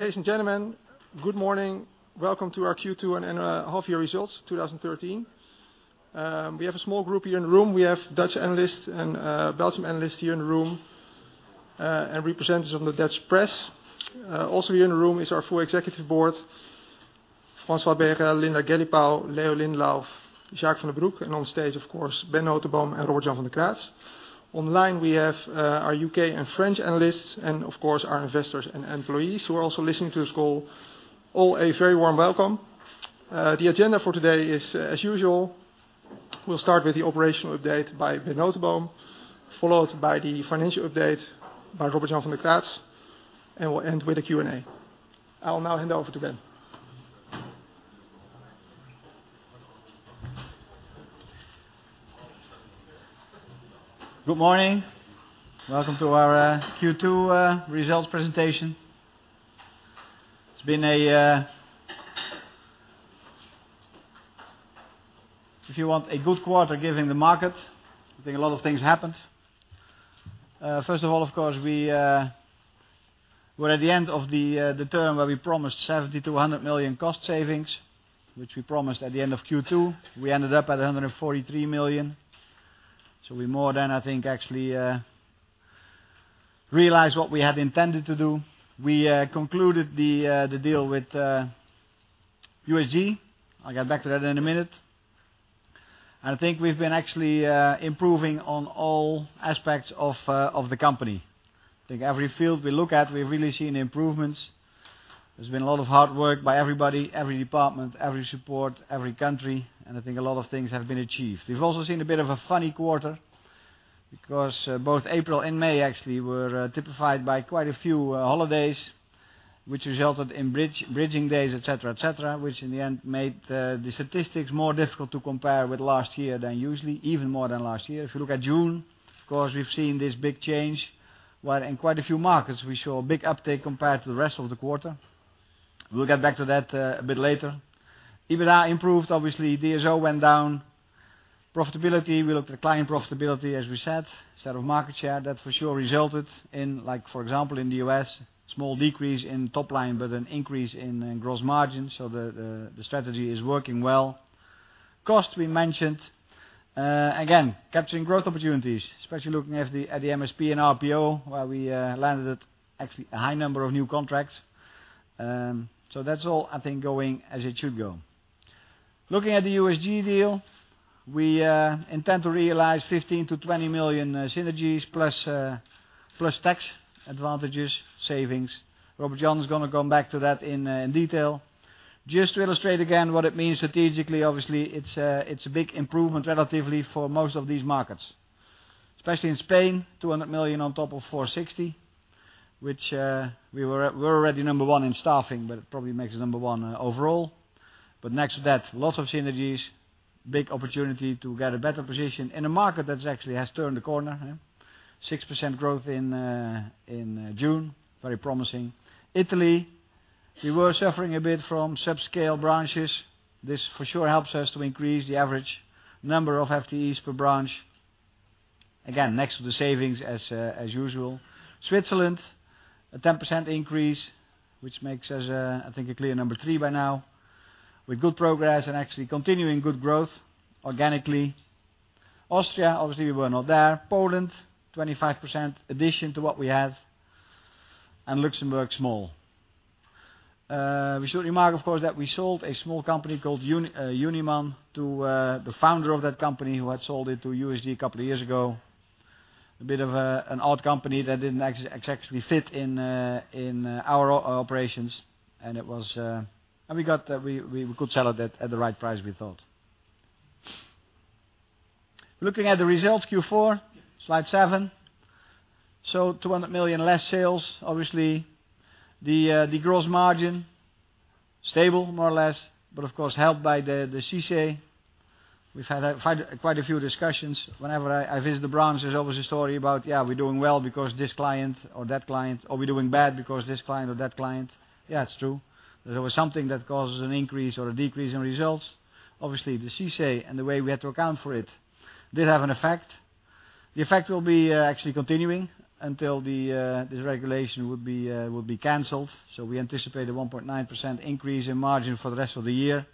Ladies and gentlemen, good morning. Welcome to our Q2 and half year results 2013. We have a small group here in the room. We have Dutch analysts and Belgian analysts here in the room, and representatives from the Dutch press. Also here in the room is our full Executive Board, François Béharel, Linda Galipeau, Leo Lindelauf, Jacques van den Broek, and on stage, of course, Ben Noteboom and Robert Jan van de Kraats. Online, we have our U.K. and French analysts, and of course, our investors and employees who are also listening to this call. All a very warm welcome. The agenda for today is as usual, we'll start with the operational update by Ben Noteboom, followed by the financial update by Robert Jan van de Kraats, and we'll end with a Q&A. I will now hand over to Ben. Good morning. Welcome to our Q2 results presentation. I think a lot of things happened if you want a good quarter given the market. First of all, of course, we're at the end of the term where we promised 70 million to 100 million cost savings, which we promised at the end of Q2. We ended up at 143 million. So we more than, I think, actually realized what we had intended to do. We concluded the deal with USG. I'll get back to that in a minute. I think we've been actually improving on all aspects of the company. I think every field we look at, we've really seen improvements. There's been a lot of hard work by everybody, every department, every support, every country, and I think a lot of things have been achieved. We've also seen a bit of a funny quarter because both April and May actually were typified by quite a few holidays, which resulted in bridging days, et cetera. Which in the end made the statistics more difficult to compare with last year than usually, even more than last year. If you look at June, of course, we've seen this big change, where in quite a few markets, we show a big uptake compared to the rest of the quarter. We'll get back to that a bit later. EBITDA improved, obviously. DSO went down. Profitability, we looked at client profitability, as we said, instead of market share. That for sure resulted in, like for example, in the U.S., small decrease in top line, but an increase in gross margin. So the strategy is working well. Cost, we mentioned. Again, capturing growth opportunities, especially looking at the MSP and RPO, where we landed at actually a high number of new contracts. So that's all I think going as it should go. Looking at the USG deal, we intend to realize 15 million to 20 million synergies plus tax advantages, savings. Robert-Jan is going to come back to that in detail. Just to illustrate again what it means strategically. Obviously, it's a big improvement relatively for most of these markets, especially in Spain, 200 million on top of 460 million. We're already number one in staffing, but it probably makes us number one overall. But next to that, lots of synergies, big opportunity to get a better position in a market that actually has turned a corner. 6% growth in June, very promising. Italy, we were suffering a bit from subscale branches. This for sure helps us to increase the average number of FTEs per branch. Again, next to the savings as usual. Switzerland, a 10% increase, which makes us I think a clear number 3 by now, with good progress and actually continuing good growth organically. Austria, obviously, we were not there. Poland, a 25% addition to what we had, and Luxembourg, small. We should remark, of course, that we sold a small company called Uniman to the founder of that company who had sold it to USG a couple of years ago. A bit of an odd company that didn't actually fit in our operations. We could sell it at the right price, we thought. Looking at the results Q4, slide seven. 200 million less sales. Obviously, the gross margin, stable more or less, but of course helped by the CICE. We've had quite a few discussions. Whenever I visit the branch, there's always a story about, "Yeah, we're doing well because this client or that client," or, "We're doing bad because this client or that client." Yeah, it's true. There was something that causes an increase or a decrease in results. Obviously, the CICE and the way we had to account for it did have an effect. The effect will be actually continuing until this regulation will be canceled. We anticipate a 1.9% increase in margin for the rest of the year.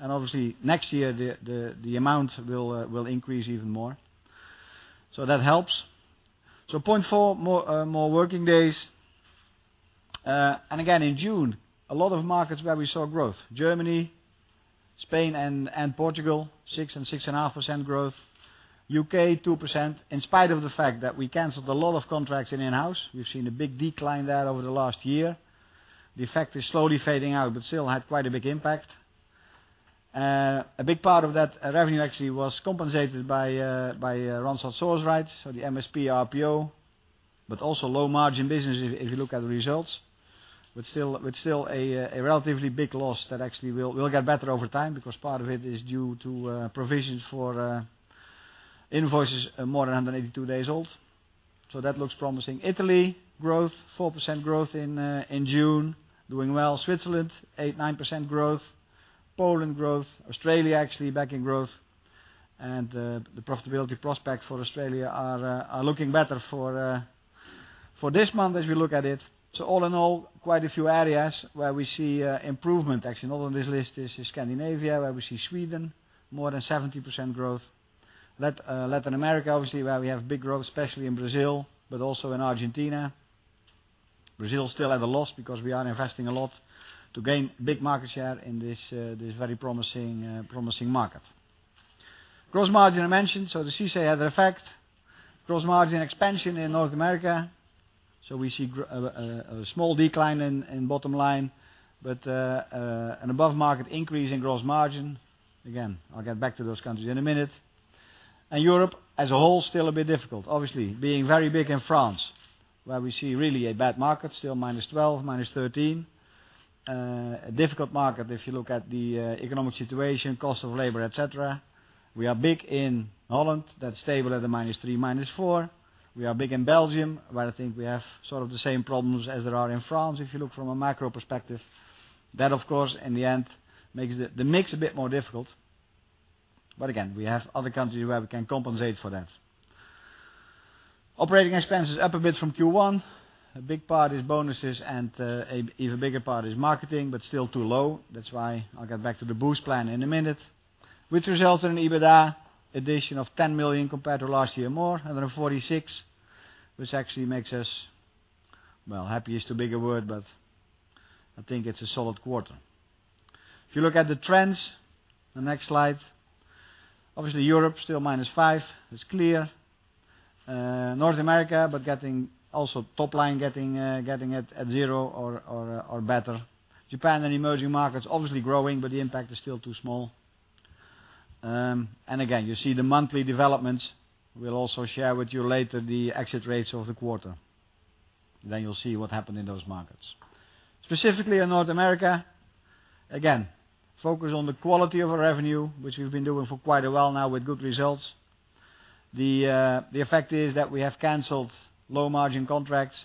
Obviously, next year, the amount will increase even more. That helps. 0.4 more working days. Again, in June, a lot of markets where we saw growth. Germany, Spain, and Portugal, 6% and 6.5% growth. U.K., 2%, in spite of the fact that we canceled a lot of contracts in in-house. We've seen a big decline there over the last year. The effect is slowly fading out, but still had quite a big impact. A big part of that revenue actually was compensated by Randstad Sourceright, so the MSP RPO, but also low margin business if you look at the results, with still a relatively big loss that actually will get better over time because part of it is due to provisions for invoices more than 182 days old. That looks promising. Italy growth, 4% growth in June. Doing well. Switzerland, 8%, 9% growth. Poland growth. Australia actually back in growth. The profitability prospect for Australia are looking better for this month as we look at it. All in all, quite a few areas where we see improvement. Actually, not on this list is Scandinavia, where we see Sweden more than 70% growth. Latin America, obviously, where we have big growth, especially in Brazil, but also in Argentina. Brazil still at a loss because we are investing a lot to gain big market share in this very promising market. Gross margin, I mentioned. The CICE had an effect. Gross margin expansion in North America. We see a small decline in bottom line, but an above-market increase in gross margin. Again, I'll get back to those countries in a minute. Europe as a whole, still a bit difficult, obviously, being very big in France, where we see really a bad market, still -12%, -13%. A difficult market if you look at the economic situation, cost of labor, et cetera. We are big in Holland. That's stable at the -3%, -4%. We are big in Belgium, where I think we have sort of the same problems as there are in France, if you look from a macro perspective. That, of course, in the end, makes the mix a bit more difficult. Again, we have other countries where we can compensate for that. Operating expenses up a bit from Q1. A big part is bonuses, and an even bigger part is marketing, but still too low. That's why I'll get back to the boost plan in a minute, which results in an EBITDA addition of 10 million compared to last year, more, 146, which actually makes us, well, happy is too big a word, but I think it's a solid quarter. If you look at the trends, the next slide, obviously Europe still -5%, it's clear. North America, but also top line getting at 0 or better. Japan and emerging markets obviously growing, but the impact is still too small. Again, you see the monthly developments. We'll also share with you later the exit rates of the quarter. You'll see what happened in those markets. Specifically in North America, again, focus on the quality of our revenue, which we've been doing for quite a while now with good results. The effect is that we have canceled low-margin contracts,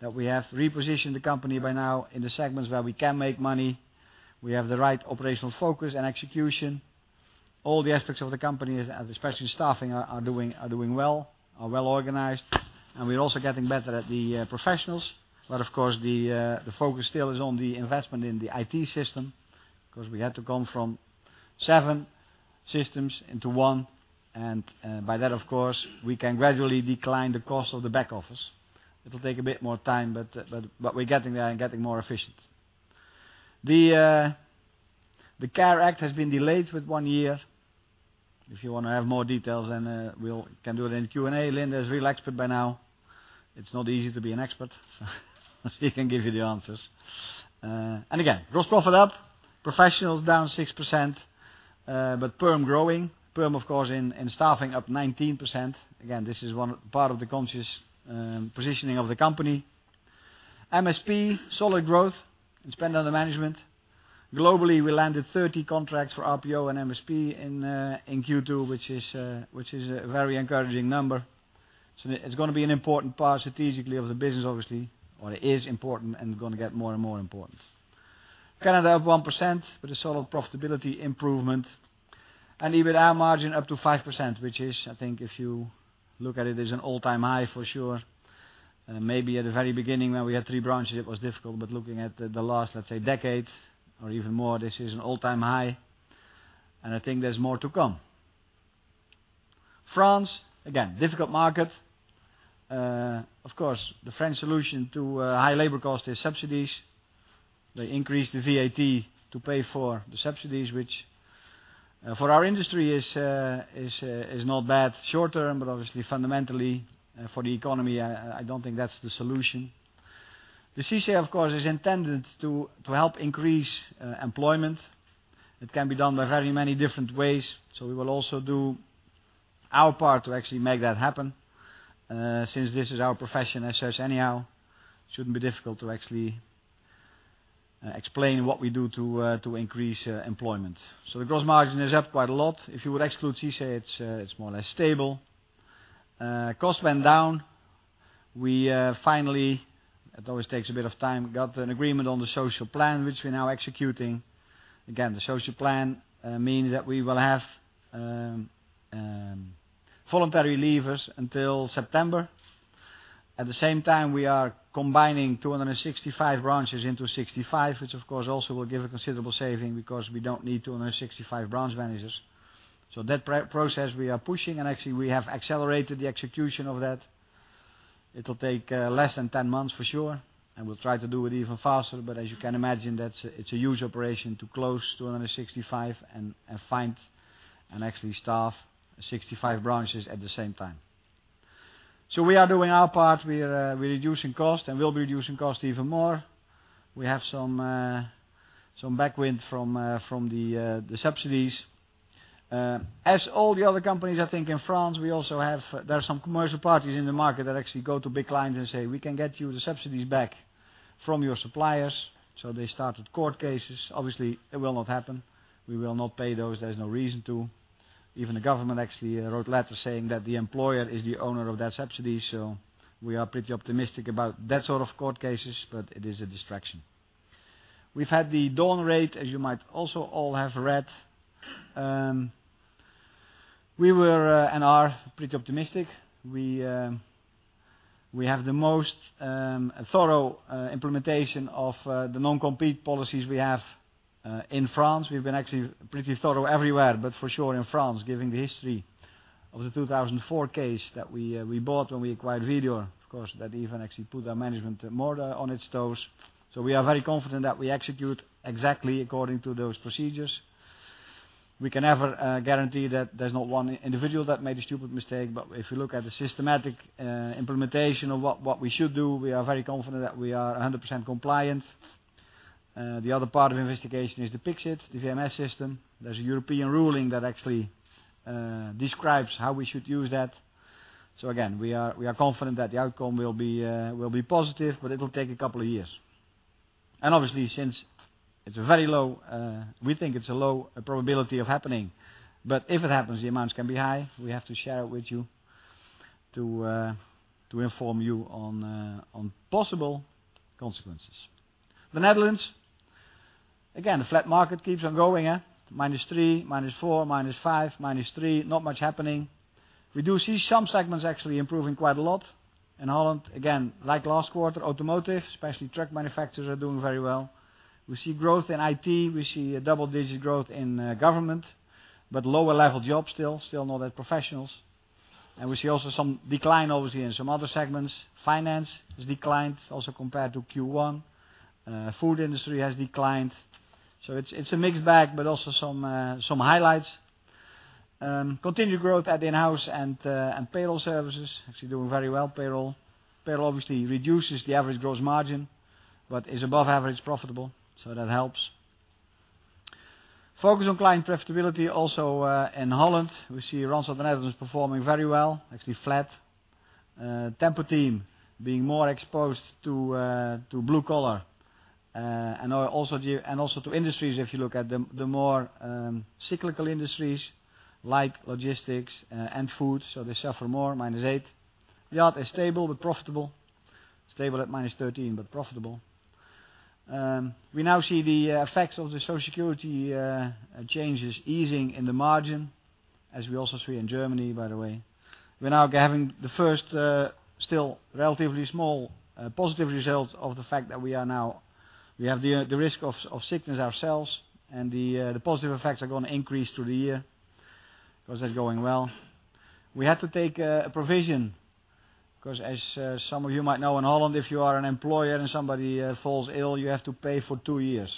that we have repositioned the company by now in the segments where we can make money. We have the right operational focus and execution. All the aspects of the company, especially staffing, are doing well, are well organized. We're also getting better at the professionals. Of course the focus still is on the investment in the IT system, because we had to come from seven systems into one. By that, of course, we can gradually decline the cost of the back office. It'll take a bit more time, but we're getting there and getting more efficient. The CARE Act has been delayed with one year. If you want to have more details, we can do it in Q&A. Linda is real expert by now. It's not easy to be an expert, so she can give you the answers. Again, gross profit up, professionals down 6%, but perm growing. Perm, of course, in staffing up 19%. Again, this is one part of the conscious positioning of the company. MSP, solid growth in spend under management. Globally, we landed 30 contracts for RPO and MSP in Q2, which is a very encouraging number. It's going to be an important part strategically of the business, obviously. It is important and going to get more and more important. Canada up 1%, with a solid profitability improvement and EBITDA margin up to 5%, which is, I think if you look at it, is an all-time high for sure. Maybe at the very beginning when we had three branches, it was difficult. Looking at the last, let's say, decade or even more, this is an all-time high, and I think there's more to come. France, again, difficult market. Of course, the French solution to high labor cost is subsidies. They increased the VAT to pay for the subsidies, which for our industry is not bad short term, but obviously fundamentally for the economy, I don't think that's the solution. The CICE, of course, is intended to help increase employment. It can be done by very many different ways. We will also do our part to actually make that happen. Since this is our profession as such anyhow, shouldn't be difficult to actually explain what we do to increase employment. The gross margin is up quite a lot. If you would exclude CICE, it's more or less stable. Cost went down. We finally, it always takes a bit of time, got an agreement on the social plan, which we are now executing. Again, the social plan means that we will have voluntary leavers until September. At the same time, we are combining 265 branches into 65, which of course also will give a considerable saving because we don't need 265 branch managers. That process we are pushing, and actually we have accelerated the execution of that. It will take less than 10 months for sure, and we will try to do it even faster. As you can imagine, it's a huge operation to close 265 and find and actually staff 65 branches at the same time. We are doing our part. We are reducing cost, and we will be reducing cost even more. We have some backwind from the subsidies. As all the other companies, I think in France, there are some commercial parties in the market that actually go to big clients and say, "We can get you the subsidies back from your suppliers." They started court cases. Obviously, it will not happen. We will not pay those. There's no reason to. Even the government actually wrote letters saying that the employer is the owner of that subsidy. We are pretty optimistic about that sort of court cases, but it is a distraction. We have had the Dawn Raid, as you might also all have read. We were, and are pretty optimistic. We have the most thorough implementation of the non-compete policies we have in France. We have been actually pretty thorough everywhere, but for sure in France, given the history of the 2004 case that we bought when we acquired Vedior. Of course, that even actually put our management more on its toes. We are very confident that we execute exactly according to those procedures. We can never guarantee that there's not one individual that made a stupid mistake. If you look at the systematic implementation of what we should do, we are very confident that we are 100% compliant. The other part of investigation is the Pixid, the VMS system. There's a European ruling that actually describes how we should use that. Again, we are confident that the outcome will be positive, but it will take a couple of years. Obviously, since we think it's a low probability of happening, but if it happens, the amounts can be high. We have to share it with you to inform you on possible consequences. The Netherlands, again, the flat market keeps on going. Minus three, minus four, minus five, minus three. Not much happening. We do see some segments actually improving quite a lot. In Holland, again, like last quarter, automotive, especially truck manufacturers, are doing very well. We see growth in IT. We see a double-digit growth in government, but lower-level jobs still not at professionals. We see also some decline, obviously, in some other segments. Finance has declined also compared to Q1. Food industry has declined. It's a mixed bag, but also some highlights. Continued growth at in-house and payroll services. Actually doing very well, payroll. Payroll obviously reduces the average gross margin, but is above average profitable, that helps. Focus on client profitability also in Holland. We see Randstad Netherlands performing very well, actually flat. Tempo-Team being more exposed to blue collar and also to industries, if you look at the more cyclical industries like logistics and food, they suffer more, -8%. Yacht is stable but profitable. Stable at -13%, but profitable. We now see the effects of the Social Security changes easing in the margin, as we also see in Germany, by the way. We are now having the first still relatively small positive results of the fact that we have the risk of sickness ourselves, the positive effects are going to increase through the year because that's going well. We had to take a provision because as some of you might know, in Holland, if you are an employer and somebody falls ill, you have to pay for two years.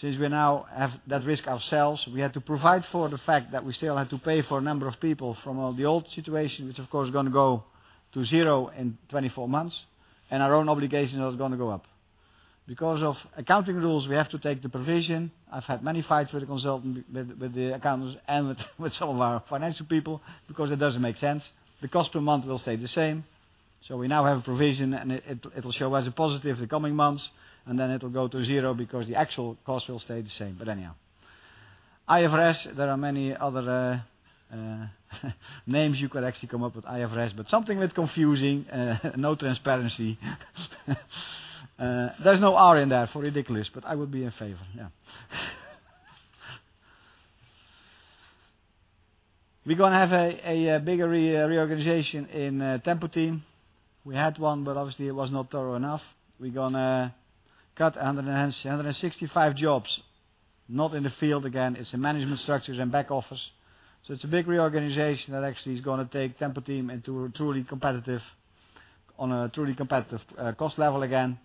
Since we now have that risk ourselves, we had to provide for the fact that we still have to pay for a number of people from the old situation, which, of course, is going to go to zero in 24 months, our own obligation is going to go up. Because of accounting rules, we have to take the provision. I've had many fights with the accountants and with some of our financial people because it doesn't make sense. The cost per month will stay the same. We now have a provision, it'll show as a positive the coming months, then it'll go to zero because the actual cost will stay the same. Anyhow. IFRS, there are many other names you could actually come up with IFRS, something with confusing, no transparency. There's no R in there for ridiculous, I would be in favor. Yeah. We're going to have a bigger reorganization in Tempo-Team. We had one, obviously it was not thorough enough. We're going to cut 165 jobs. Not in the field again, it's the management structures and back office. It's a big reorganization that actually is going to take Tempo-Team on a truly competitive cost level again.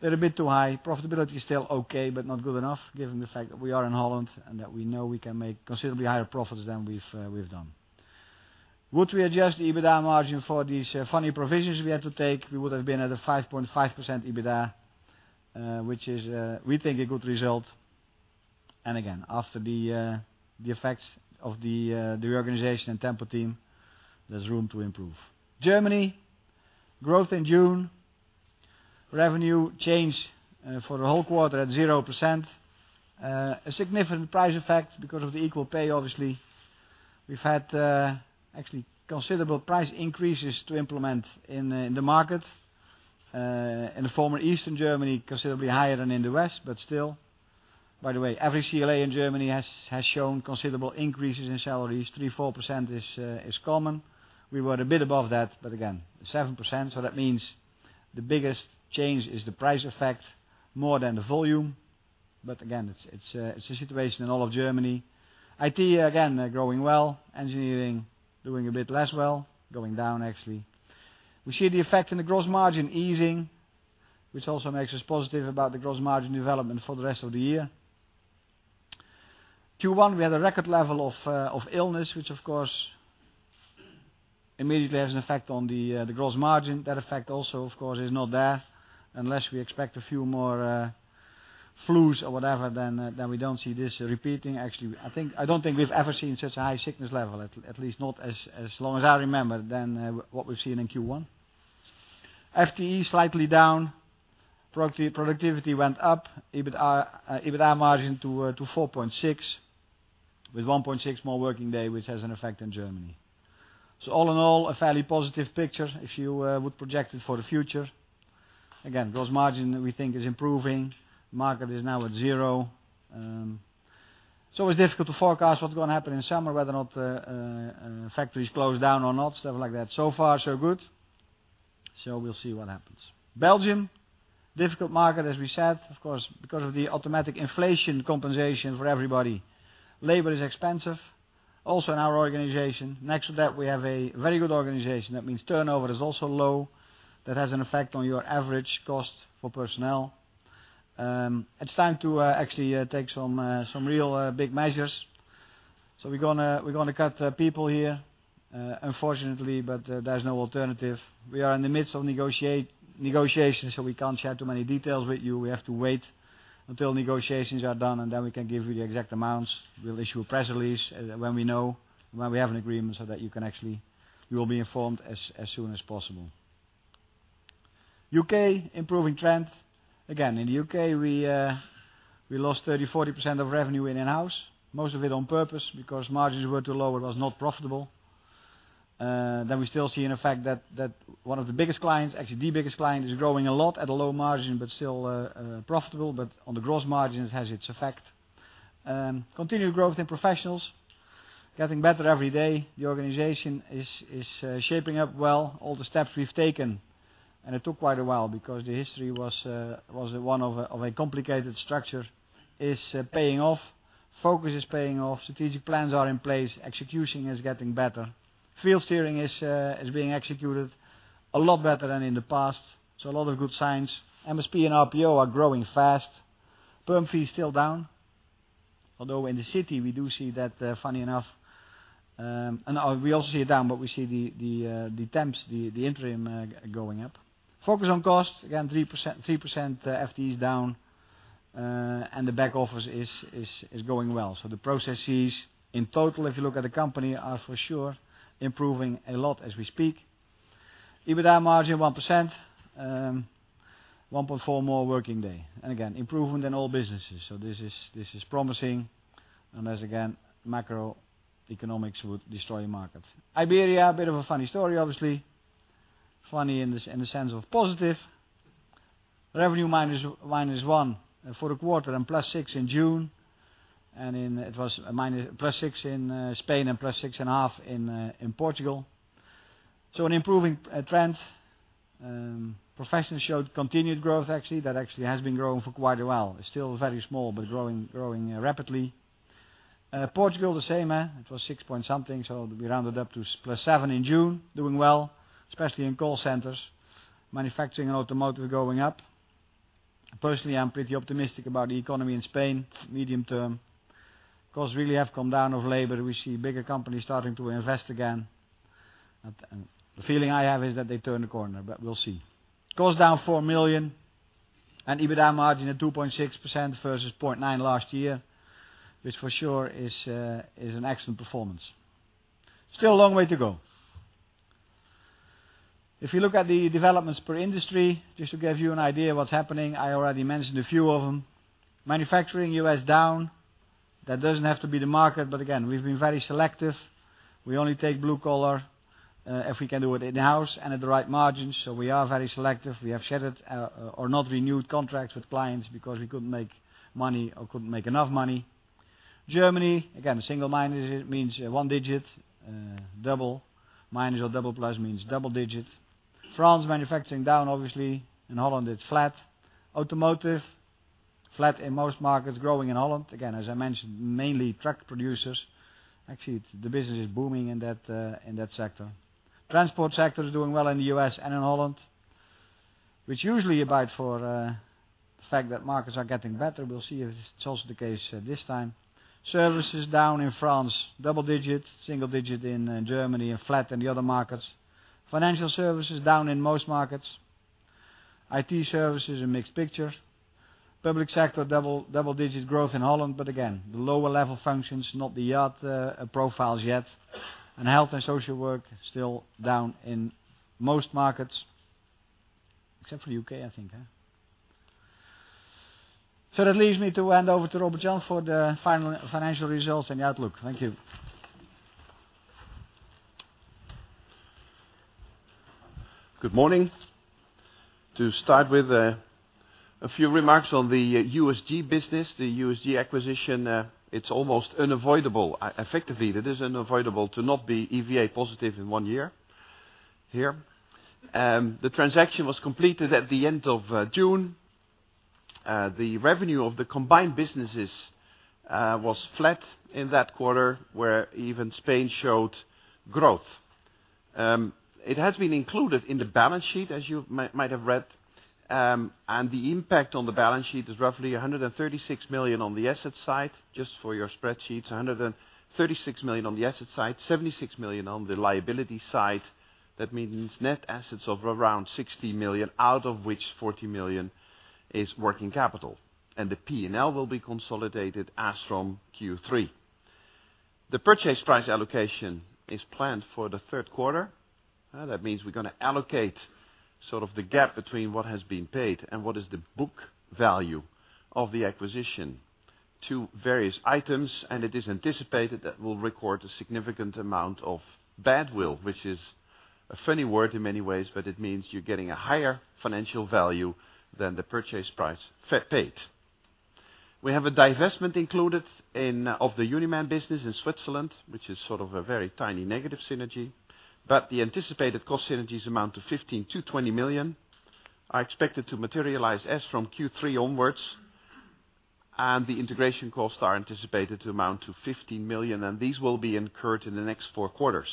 They're a bit too high. Profitability is still okay, not good enough given the fact that we are in Holland and that we know we can make considerably higher profits than we've done. Would we adjust the EBITDA margin for these funny provisions we had to take? We would have been at a 5.5% EBITDA, which is, we think, a good result. Again, after the effects of the reorganization in Tempo-Team, there's room to improve. Germany, growth in June. Revenue change for the whole quarter at 0%. A significant price effect because of the equal pay, obviously. We've had actually considerable price increases to implement in the market. In the former Eastern Germany, considerably higher than in the West. By the way, every CLA in Germany has shown considerable increases in salaries. 3%, 4% is common. We were a bit above that, again, 7%. That means the biggest change is the price effect more than the volume. Again, it's a situation in all of Germany. IT, again, growing well. Engineering doing a bit less well, going down actually. We see the effect in the gross margin easing, which also makes us positive about the gross margin development for the rest of the year. Q1, we had a record level of illness, which of course immediately has an effect on the gross margin. That effect also, of course, is not there unless we expect a few more flus or whatever, then we don't see this repeating. Actually, I don't think we've ever seen such a high sickness level, at least not as long as I remember, than what we've seen in Q1. FTE slightly down. Productivity went up. EBITDA margin to 4.6%. With 1.6 more working day, which has an effect in Germany. All in all, a fairly positive picture if you would project it for the future. Again, gross margin we think is improving. Market is now at zero. It's always difficult to forecast what's going to happen in summer, whether or not factories close down or not, stuff like that. Far, so good. We'll see what happens. Belgium, difficult market, as we said. Of course, because of the automatic inflation compensation for everybody, labor is expensive, also in our organization. Next to that, we have a very good organization. That means turnover is also low. That has an effect on your average cost for personnel. It's time to actually take some real big measures. We're going to cut people here, unfortunately, but there's no alternative. We are in the midst of negotiations, we can't share too many details with you. We have to wait until negotiations are done, and then we can give you the exact amounts. We'll issue a press release when we know, when we have an agreement, you will be informed as soon as possible. U.K., improving trend. Again, in the U.K., we lost 30%-40% of revenue in in-house, most of it on purpose because margins were too low, it was not profitable. We still see an effect that one of the biggest clients, actually the biggest client, is growing a lot at a low margin, but still profitable, but on the gross margins, it has its effect. Continued growth in professionals, getting better every day. The organization is shaping up well. All the steps we've taken, and it took quite a while because the history was one of a complicated structure, is paying off. Focus is paying off. Strategic plans are in place. Execution is getting better. Field steering is being executed a lot better than in the past. A lot of good signs. MSP and RPO are growing fast. Perm fee is still down. Although in the city, we do see that, funny enough, and we also see it down, but we see the temps, the interim going up. Focus on cost, again, 3% FTE is down, the back office is going well. The processes in total, if you look at the company, are for sure improving a lot as we speak. EBITDA margin 1%, 1.4 more working day. Again, improvement in all businesses. This is promising, unless again, macroeconomics would destroy markets. Iberia, bit of a funny story, obviously. Funny in the sense of positive. Revenue minus 1% for the quarter and plus 6% in June, it was plus 6% in Spain and plus 6.5% in Portugal. An improving trend. Professionals showed continued growth actually. That actually has been growing for quite a while. It's still very small, but growing rapidly. Portugal, the same. It was 6 point something, so we rounded up to plus 7% in June. Doing well, especially in call centers. Manufacturing and automotive going up. Personally, I'm pretty optimistic about the economy in Spain, medium term. Costs really have come down of labor. We see bigger companies starting to invest again. The feeling I have is that they turn the corner, but we'll see. Costs down 4 million. EBITDA margin at 2.6% versus 0.9% last year, which for sure is an excellent performance. Still a long way to go. If you look at the developments per industry, just to give you an idea what's happening, I already mentioned a few of them. Manufacturing, U.S. down. That doesn't have to be the market, but again, we've been very selective. We only take blue collar if we can do it in-house and at the right margin. We are very selective. We have shed or not renewed contracts with clients because we couldn't make money or couldn't make enough money. Germany, again, single minus means 1 digit. Double minus or double plus means double digit. France, manufacturing down, obviously. In Holland, it's flat. Automotive, flat in most markets, growing in Holland. Again, as I mentioned, mainly truck producers. Actually, the business is booming in that sector. Transport sector is doing well in the U.S. and in Holland, which usually a bite for the fact that markets are getting better. We'll see if it's also the case this time. Services down in France, double digit, single digit in Germany, flat in the other markets. Financial services down in most markets. IT services, a mixed picture. Public sector, double digit growth in Holland, but again, the lower level functions, not the Yacht profiles yet. Health and social work still down in most markets, except for U.K., I think. That leaves me to hand over to Robert Jan for the financial results and the outlook. Thank you. Good morning. To start with, a few remarks on the USG business. The USG acquisition, it's almost unavoidable. Effectively, it is unavoidable to not be EVA positive in 1 year here. The transaction was completed at the end of June. The revenue of the combined businesses was flat in that quarter, where even Spain showed growth. It has been included in the balance sheet, as you might have read. The impact on the balance sheet is roughly 136 million on the asset side, just for your spreadsheets, 136 million on the asset side, 76 million on the liability side. That means net assets of around 60 million, out of which 40 million is working capital. The P&L will be consolidated as from Q3. The purchase price allocation is planned for the 3rd quarter. That means we're going to allocate the gap between what has been paid and what is the book value of the acquisition to various items, and it is anticipated that we'll record a significant amount of badwill, which is a funny word in many ways, but it means you're getting a higher financial value than the purchase price paid. We have a divestment included of the Uniman business in Switzerland, which is a very tiny negative synergy. The anticipated cost synergies amount to 15 million-20 million, are expected to materialize as from Q3 onwards, and the integration costs are anticipated to amount to 15 million, and these will be incurred in the next four quarters.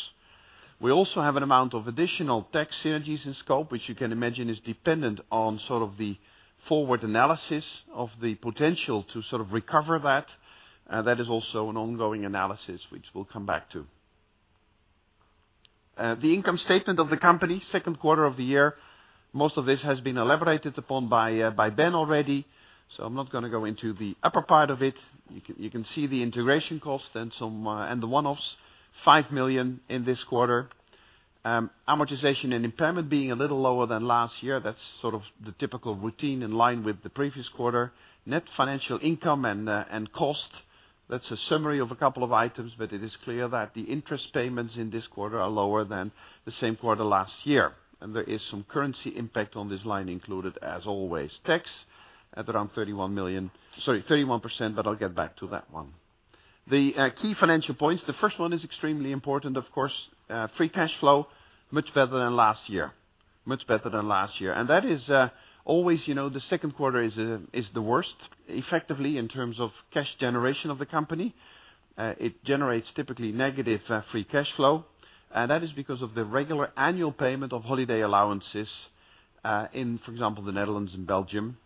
We also have an amount of additional tax synergies in scope, which you can imagine is dependent on the forward analysis of the potential to recover that. That is also an ongoing analysis, which we'll come back to. The income statement of the company, second quarter of the year. Most of this has been elaborated upon by Ben already, so I'm not going to go into the upper part of it. You can see the integration cost and the one-offs, 5 million in this quarter. Amortization and impairment being a little lower than last year. That's the typical routine in line with the previous quarter. Net financial income and cost. That's a summary of a couple of items, but it is clear that the interest payments in this quarter are lower than the same quarter last year. There is some currency impact on this line included, as always. Tax at around 31%. I'll get back to that one. The key financial points. The first one is extremely important, of course. Free cash flow, much better than last year. Always, the second quarter is the worst effectively, in terms of cash generation of the company. It generates typically negative free cash flow. That is because of the regular annual payment of holiday allowances, in, for example, the Netherlands and Belgium.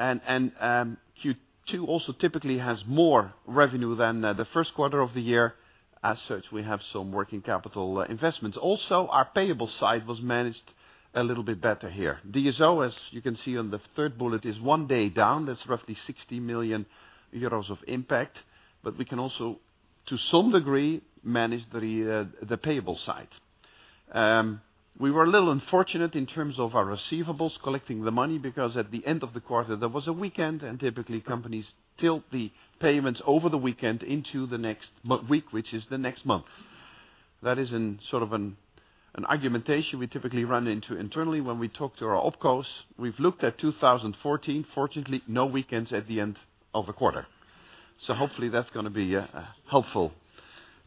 Q2 also typically has more revenue than the first quarter of the year. As such, we have some working capital investments. Also, our payable side was managed a little bit better here. DSO, as you can see on the third bullet, is one day down. That's roughly 60 million euros of impact. We can also, to some degree, manage the payable side. We were a little unfortunate in terms of our receivables collecting the money, because at the end of the quarter, there was a weekend, and typically companies tilt the payments over the weekend into the next week, which is the next month. That is an argumentation we typically run into internally when we talk to our opcos. We've looked at 2014. Hopefully, that's going to be helpful.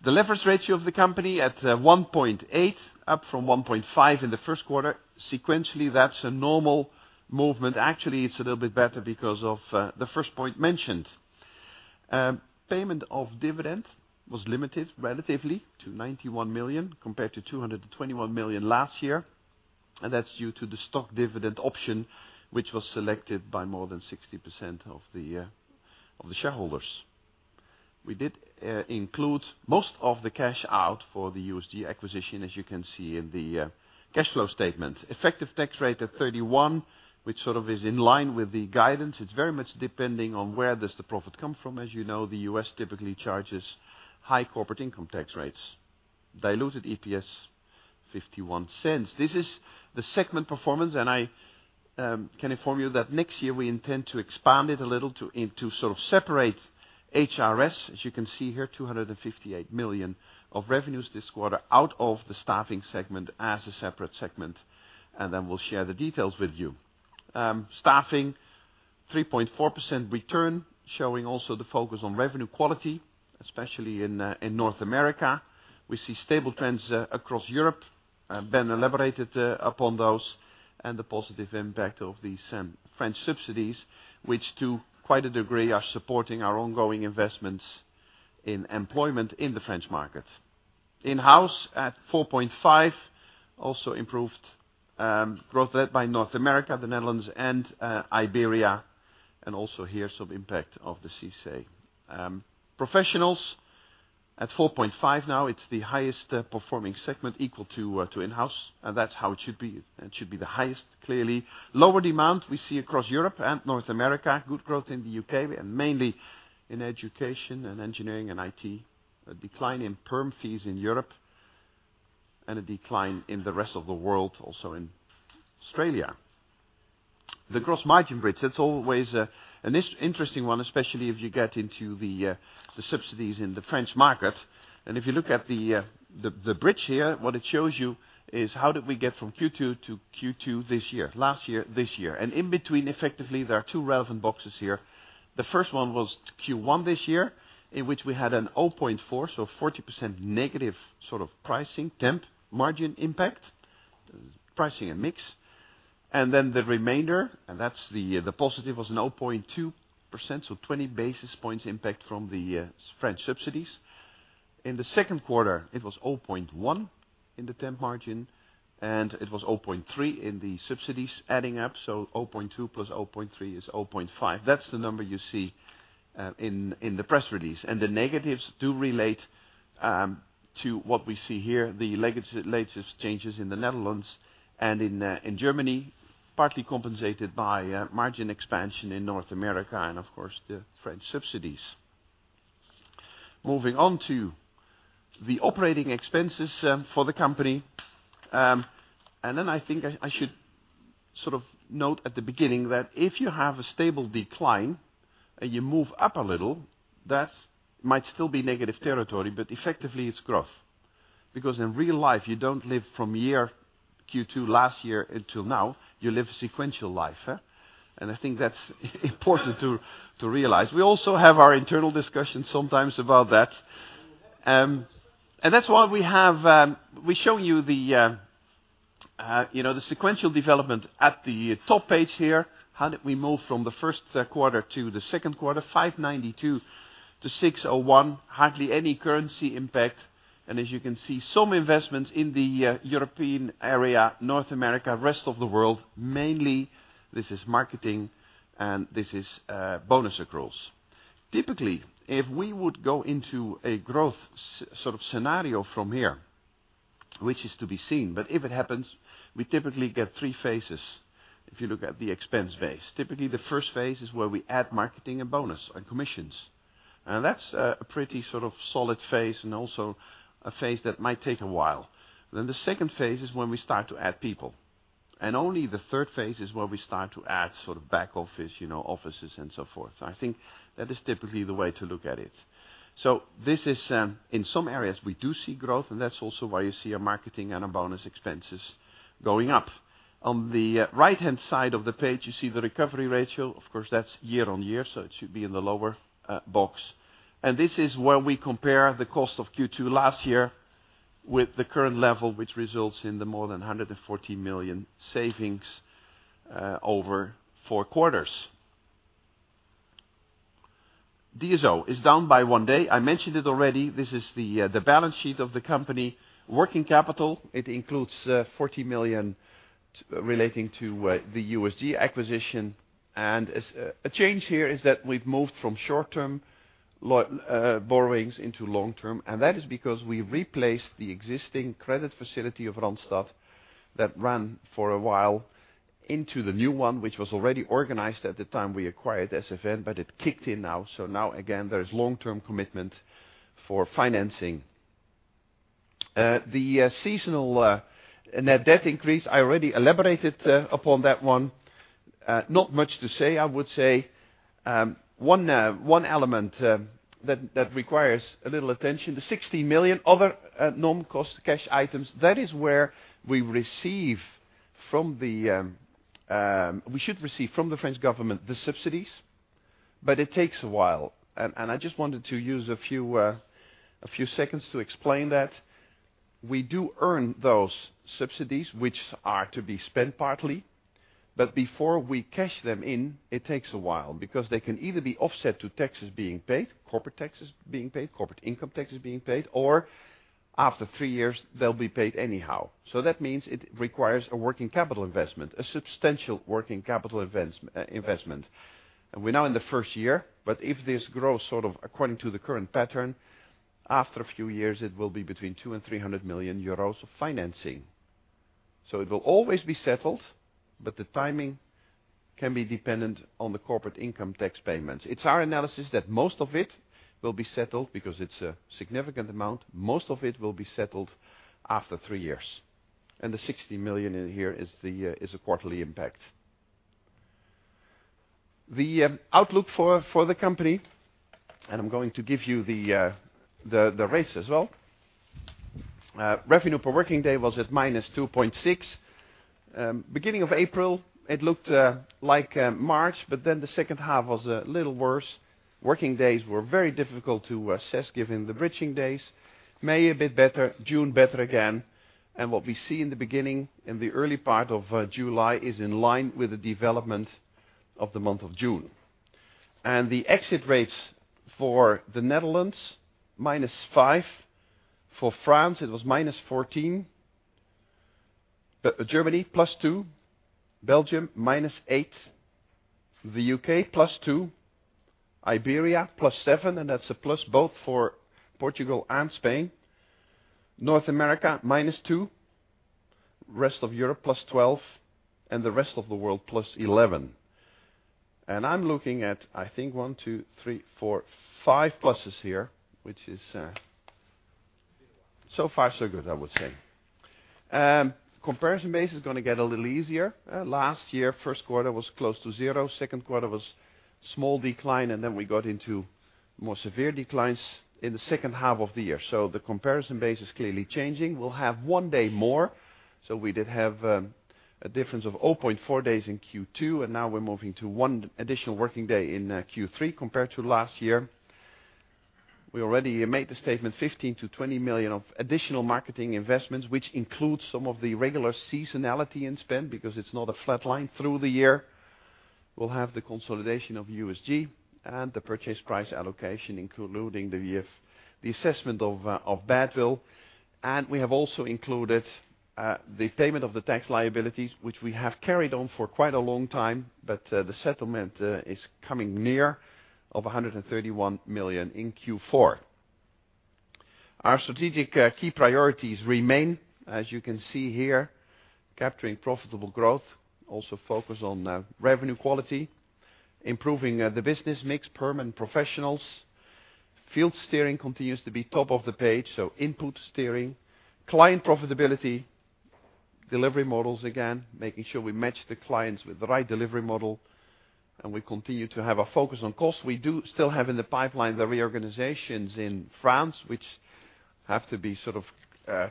The leverage ratio of the company at 1.8, up from 1.5 in the first quarter. Sequentially, that's a normal movement. Actually, it's a little bit better because of the first point mentioned. Payment of dividend was limited relatively to 91 million compared to 221 million last year. That's due to the stock dividend option, which was selected by more than 60% of the shareholders. We did include most of the cash out for the USG acquisition, as you can see in the cash flow statement. Effective tax rate at 31%, which sort of is in line with the guidance. It's very much depending on where does the profit come from. As you know, the U.S. typically charges high corporate income tax rates. Diluted EPS 0.51. This is the segment performance, and I can inform you that next year we intend to expand it a little into separate HRS. As you can see here, 258 million of revenues this quarter out of the staffing segment as a separate segment, and then we'll share the details with you. Staffing, 3.4% return, showing also the focus on revenue quality, especially in North America. We see stable trends across Europe. Ben elaborated upon those and the positive impact of the French subsidies, which to quite a degree are supporting our ongoing investments in employment in the French market. In-house at 4.5%, also improved. Growth led by North America, the Netherlands, and Iberia, and also here, some impact of the CICE. Professionals at 4.5% now. It's the highest performing segment equal to in-house. That's how it should be. It should be the highest, clearly. Lower demand we see across Europe and North America. Good growth in the U.K. and mainly in education and engineering and IT. A decline in perm fees in Europe and a decline in the rest of the world, also in Australia. The gross margin bridge, that's always an interesting one, especially if you get into the subsidies in the French market. If you look at the bridge here, what it shows you is how did we get from Q2 to Q2 this year. Last year, this year. In between, effectively, there are two relevant boxes here. The first one was Q1 this year, in which we had a 0.4%, so 40% negative pricing temp margin impact, pricing and mix. The remainder, and that's the positive, was a 0.2%, so 20 basis points impact from the French subsidies. In the second quarter, it was 0.1% in the temp margin, and it was 0.3% in the subsidies adding up. 0.2% plus 0.3% is 0.5%. That's the number you see in the press release. The negatives do relate to what we see here, the latest changes in the Netherlands and in Germany, partly compensated by margin expansion in North America and of course, the French subsidies. Moving on to the operating expenses for the company. I think I should note at the beginning that if you have a stable decline and you move up a little, that might still be negative territory, but effectively it's growth. Because in real life, you don't live from Q2 last year until now, you live a sequential life. I think that's important to realize. We also have our internal discussions sometimes about that. That's why we show you the sequential development at the top page here. How did we move from the first quarter to the second quarter? 592 million to 601 million. Hardly any currency impact. As you can see, some investments in the European area, North America, rest of the world. Mainly, this is marketing, and this is bonus accruals. Typically, if we would go into a growth scenario from here, which is to be seen, but if it happens, we typically get three phases, if you look at the expense base. Typically, the first phase is where we add marketing and bonus and commissions. That's a pretty solid phase and also a phase that might take a while. The second phase is when we start to add people. Only the third phase is where we start to add back office, offices and so forth. I think that is typically the way to look at it. In some areas, we do see growth, and that's also why you see our marketing and our bonus expenses going up. On the right-hand side of the page, you see the recovery ratio. Of course, that's year-over-year, so it should be in the lower box. This is where we compare the cost of Q2 last year with the current level, which results in the more than 140 million savings over four quarters. DSO is down by one day. I mentioned it already. This is the balance sheet of the company. Working capital, it includes 40 million relating to the USG acquisition. A change here is that we've moved from short-term borrowings into long-term, and that is because we replaced the existing credit facility of Randstad that ran for a while into the new one, which was already organized at the time we acquired SFN Group, but it kicked in now. Now again, there is long-term commitment for financing. The seasonal net debt increase, I already elaborated upon that one. Not much to say. I would say one element that requires a little attention, the 60 million other non-cost cash items. That is where we should receive from the French government the subsidies, but it takes a while. I just wanted to use a few seconds to explain that. We do earn those subsidies, which are to be spent partly, but before we cash them in, it takes a while because they can either be offset to taxes being paid, corporate taxes being paid, corporate income taxes being paid, or after three years, they'll be paid anyhow. That means it requires a working capital investment, a substantial working capital investment. We're now in the first year, but if this grows according to the current pattern, after a few years, it will be between 200 million and 300 million euros of financing. It will always be settled, but the timing can be dependent on the corporate income tax payments. It's our analysis that most of it will be settled because it's a significant amount. Most of it will be settled after three years. The 60 million in here is a quarterly impact. The outlook for the company, I'm going to give you the rates as well. Revenue per working day was at -2.6%. Beginning of April, it looked like March, but the second half was a little worse. Working days were very difficult to assess given the bridging days. May, a bit better. June, better again. What we see in the beginning, in the early part of July, is in line with the development of the month of June. The exit rates for the Netherlands, -5%. For France, it was -14%. Germany, +2%. Belgium, -8%. The U.K., +2%. Iberia, +7%, and that's a plus both for Portugal and Spain. North America, -2%. Rest of Europe, +12%, the rest of the world, +11%. I'm looking at, I think one, two, three, four, five pluses here, which is so far so good, I would say. Comparison base is going to get a little easier. Last year, first quarter was close to zero. Second quarter was small decline, then we got into more severe declines in the second half of the year. The comparison base is clearly changing. We'll have one day more. We did have a difference of 0.4 days in Q2, now we're moving to one additional working day in Q3 compared to last year. We already made the statement, 15 million-20 million of additional marketing investments, which includes some of the regular seasonality in spend because it's not a flat line through the year. We'll have the consolidation of USG People and the purchase price allocation, including the assessment of badwill. We have also included the payment of the tax liabilities, which we have carried on for quite a long time, but the settlement is coming near of 131 million in Q4. Our strategic key priorities remain, as you can see here, capturing profitable growth, also focus on revenue quality, improving the business mix, perm and professionals. Field steering continues to be top of the page, so input steering. Client profitability, delivery models again, making sure we match the clients with the right delivery model, and we continue to have a focus on cost. We do still have in the pipeline the reorganizations in France, which have to be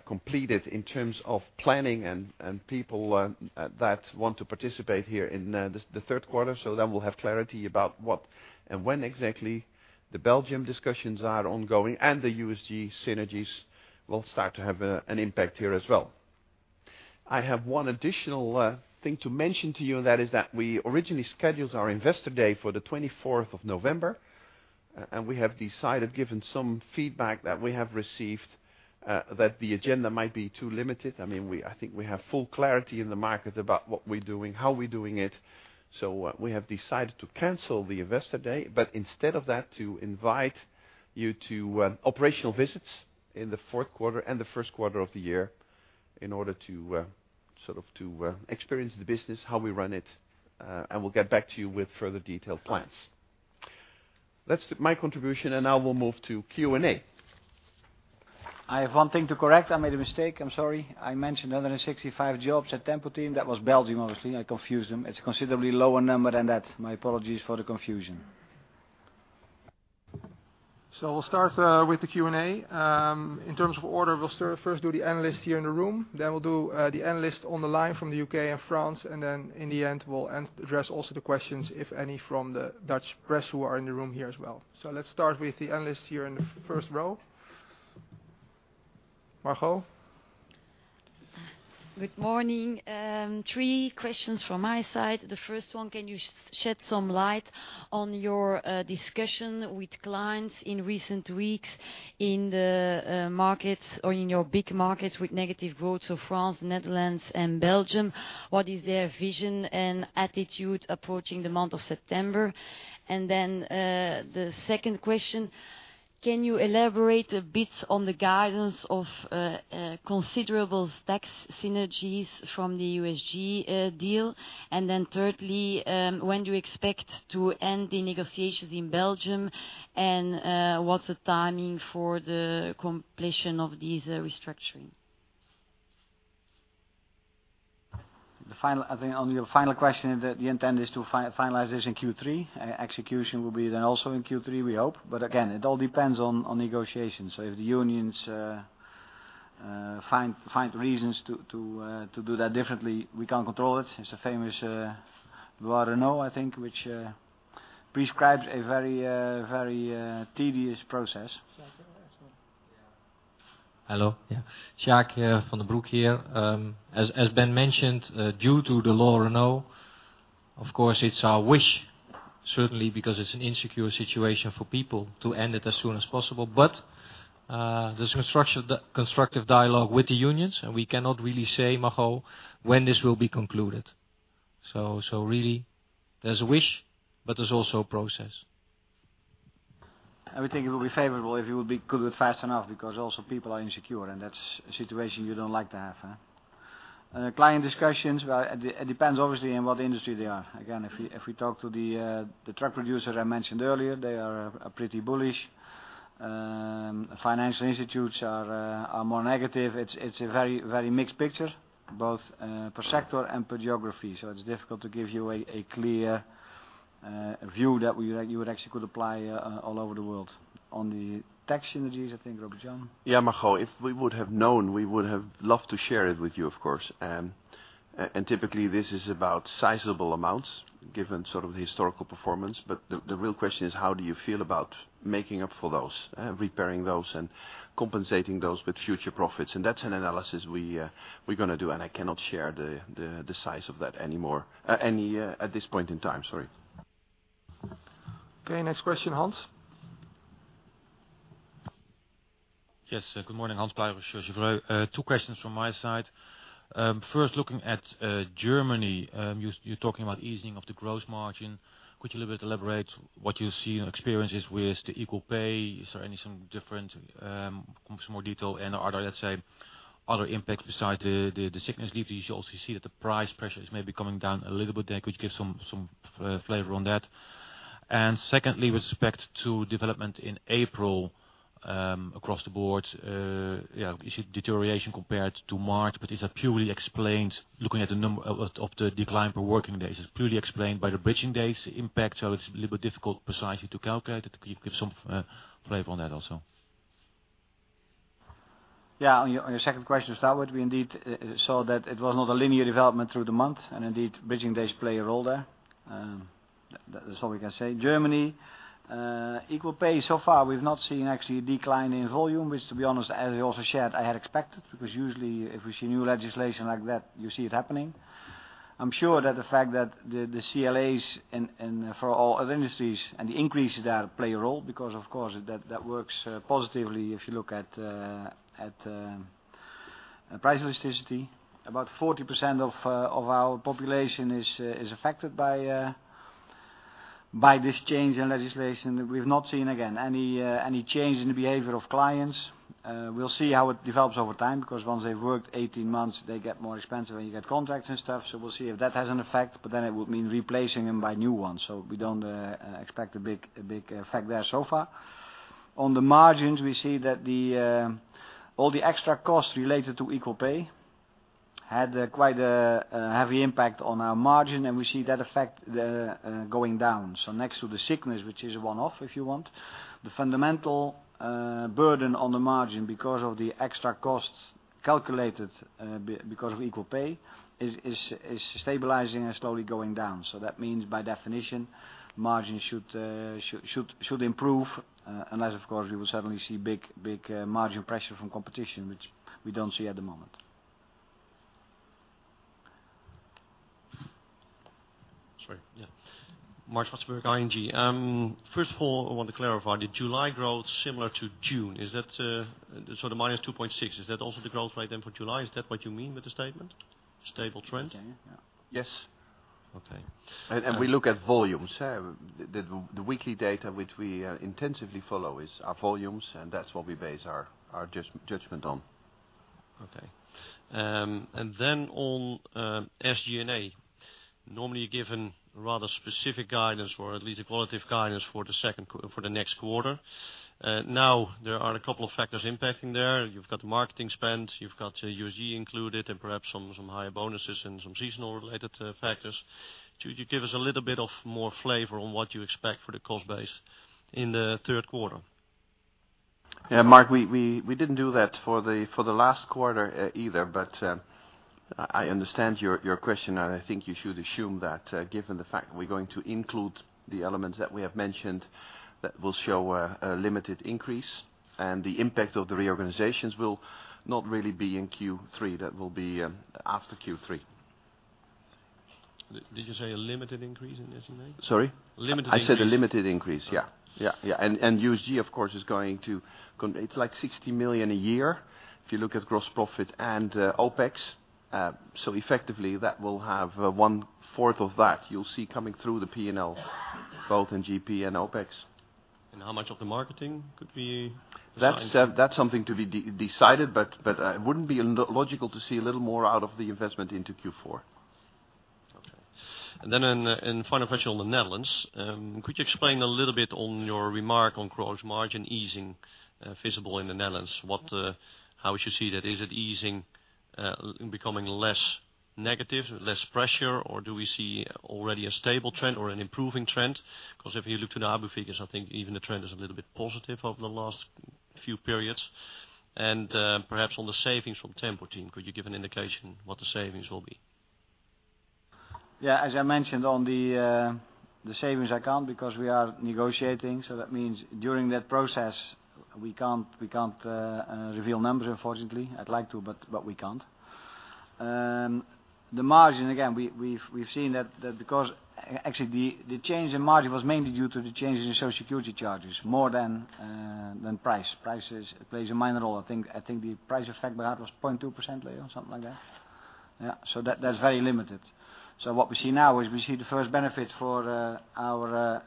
completed in terms of planning and people that want to participate here in the third quarter. We'll have clarity about what and when exactly. The Belgium discussions are ongoing, USG People synergies will start to have an impact here as well. I have one additional thing to mention to you, that is that we originally scheduled our investor day for the 24th of November. We have decided, given some feedback that we have received, that the agenda might be too limited. I think we have full clarity in the market about what we're doing, how we're doing it. We have decided to cancel the investor day, but instead of that, to invite you to operational visits in the fourth quarter and the first quarter of the year in order to experience the business, how we run it. We'll get back to you with further detailed plans. That's my contribution, now we'll move to Q&A. I have one thing to correct. I made a mistake. I am sorry. I mentioned 165 jobs at Tempo-Team. That was Belgium, obviously. I confused them. It is a considerably lower number than that. My apologies for the confusion. We will start with the Q&A. In terms of order, we will first do the analysts here in the room. We will do the analysts on the line from the U.K. and France, and then, in the end, we will address also the questions, if any, from the Dutch press who are in the room here as well. Let us start with the analysts here in the first row. Margo? Good morning. Three questions from my side. The first one, can you shed some light on your discussion with clients in recent weeks in your big markets with negative growth, France, Netherlands, and Belgium? What is their vision and attitude approaching the month of September? Can you elaborate a bit on the guidance of considerable tax synergies from the USG deal? Thirdly, when do you expect to end the negotiations in Belgium? What is the timing for the completion of this restructuring? I think on your final question, the intent is to finalize this in Q3. Execution will be then also in Q3, we hope. Again, it all depends on negotiations. If the unions find reasons to do that differently, we cannot control it. It is the famous law, I know, I think, which prescribes a very tedious process. Jacques, go ahead as well. Hello. Jacques van den Broek here. As Ben mentioned, due to the law right now, of course, it's our wish, certainly because it's an insecure situation for people to end it as soon as possible. There's constructive dialogue with the unions, and we cannot really say, Margo, when this will be concluded. Really there's a wish, but there's also a process. I would think it will be favorable if you will be good with fast enough because also people are insecure, and that's a situation you don't like to have. Client discussions, it depends, obviously, in what industry they are. Again, if we talk to the truck producer I mentioned earlier, they are pretty bullish. Financial institutes are more negative. It's a very mixed picture, both per sector and per geography. It's difficult to give you a clear view that you actually could apply all over the world. On the tax synergies, I think, Robert-Jan? Yeah, Margo, if we would have known, we would have loved to share it with you, of course. Typically, this is about sizable amounts, given sort of the historical performance. The real question is how do you feel about making up for those, repairing those, and compensating those with future profits? That's an analysis we're going to do, and I cannot share the size of that at this point in time. Sorry. Okay, next question, Hans. Yes. Good morning, Hans. Two questions from my side. First, looking at Germany, you're talking about easing of the gross margin. Could you a little bit elaborate what you see and experiences with the equal pay? Is there any some different, some more detail? Are there, let's say, other impacts besides the sickness leave? You should also see that the price pressure is maybe coming down a little bit there. Could you give some flavor on that? Secondly, with respect to development in April across the board, you see deterioration compared to March, but is that purely explained looking at the number of the decline per working days? Is it purely explained by the bridging days impact, so it's a little bit difficult precisely to calculate it. Could you give some flavor on that also? On your second question, to start with, we indeed saw that it was not a linear development through the month, and indeed, bridging days play a role there. That's all we can say. Germany, equal pay, so far, we've not seen actually a decline in volume, which, to be honest, as I also shared, I had expected, because usually if we see new legislation like that, you see it happening. I'm sure that the fact that the CLAs for all other industries and the increases there play a role because, of course, that works positively if you look at price elasticity. About 40% of our population is affected by this change in legislation, we've not seen, again, any change in the behavior of clients. We'll see how it develops over time, because once they've worked 18 months, they get more expensive, and you get contracts and stuff. We'll see if that has an effect, but then it would mean replacing them by new ones. We don't expect a big effect there so far. On the margins, we see that all the extra costs related to equal pay had quite a heavy impact on our margin, and we see that effect going down. Next to the sickness, which is one-off, if you want, the fundamental burden on the margin because of the extra costs calculated because of equal pay is stabilizing and slowly going down. That means, by definition, margins should improve. Unless, of course, we will suddenly see big margin pressure from competition, which we don't see at the moment. Sorry. Yeah. Marc Zwartsenburg, ING. First of all, I want to clarify. The July growth similar to June. The -2.6, is that also the growth rate then for July? Is that what you mean with the statement, stable trend? Yes. Okay. We look at volumes. The weekly data which we intensively follow is our volumes, and that's what we base our judgment on. Okay. Then on SG&A, normally you're given rather specific guidance or at least a qualitative guidance for the next quarter. There are a couple of factors impacting there. You've got marketing spend, you've got USG included, and perhaps some higher bonuses and some seasonal-related factors. Could you give us a little bit of more flavor on what you expect for the cost base in the third quarter? Yeah, Marc, we didn't do that for the last quarter either. I understand your question. I think you should assume that given the fact we're going to include the elements that we have mentioned, that will show a limited increase. The impact of the reorganizations will not really be in Q3. That will be after Q3. Did you say a limited increase in SG&A? Sorry? Limited increase. I said a limited increase. Yeah. USG, of course, it's like 60 million a year if you look at gross profit and OPEX. Effectively, that will have one-fourth of that you'll see coming through the P&L, both in GP and OPEX. How much of the marketing could be That's something to be decided, but it wouldn't be logical to see a little more out of the investment into Q4. Okay. Final question on the Netherlands. Could you explain a little bit on your remark on gross margin easing visible in the Netherlands? How we should see that? Is it easing, becoming less negative, less pressure, or do we see already a stable trend or an improving trend? Because if you look to the ABU figures, I think even the trend is a little bit positive over the last few periods. Perhaps on the savings from Tempo-Team, could you give an indication what the savings will be? Yeah. As I mentioned on the savings, I can't because we are negotiating, that means during that process, we can't reveal numbers, unfortunately. I'd like to, but we can't. The margin, again, we've seen that because actually the change in margin was mainly due to the changes in Social Security charges more than price. Price plays a minor role. I think the price effect, Gerard, was 0.2%, or something like that. Yeah. That's very limited. What we see now is we see the first benefit for our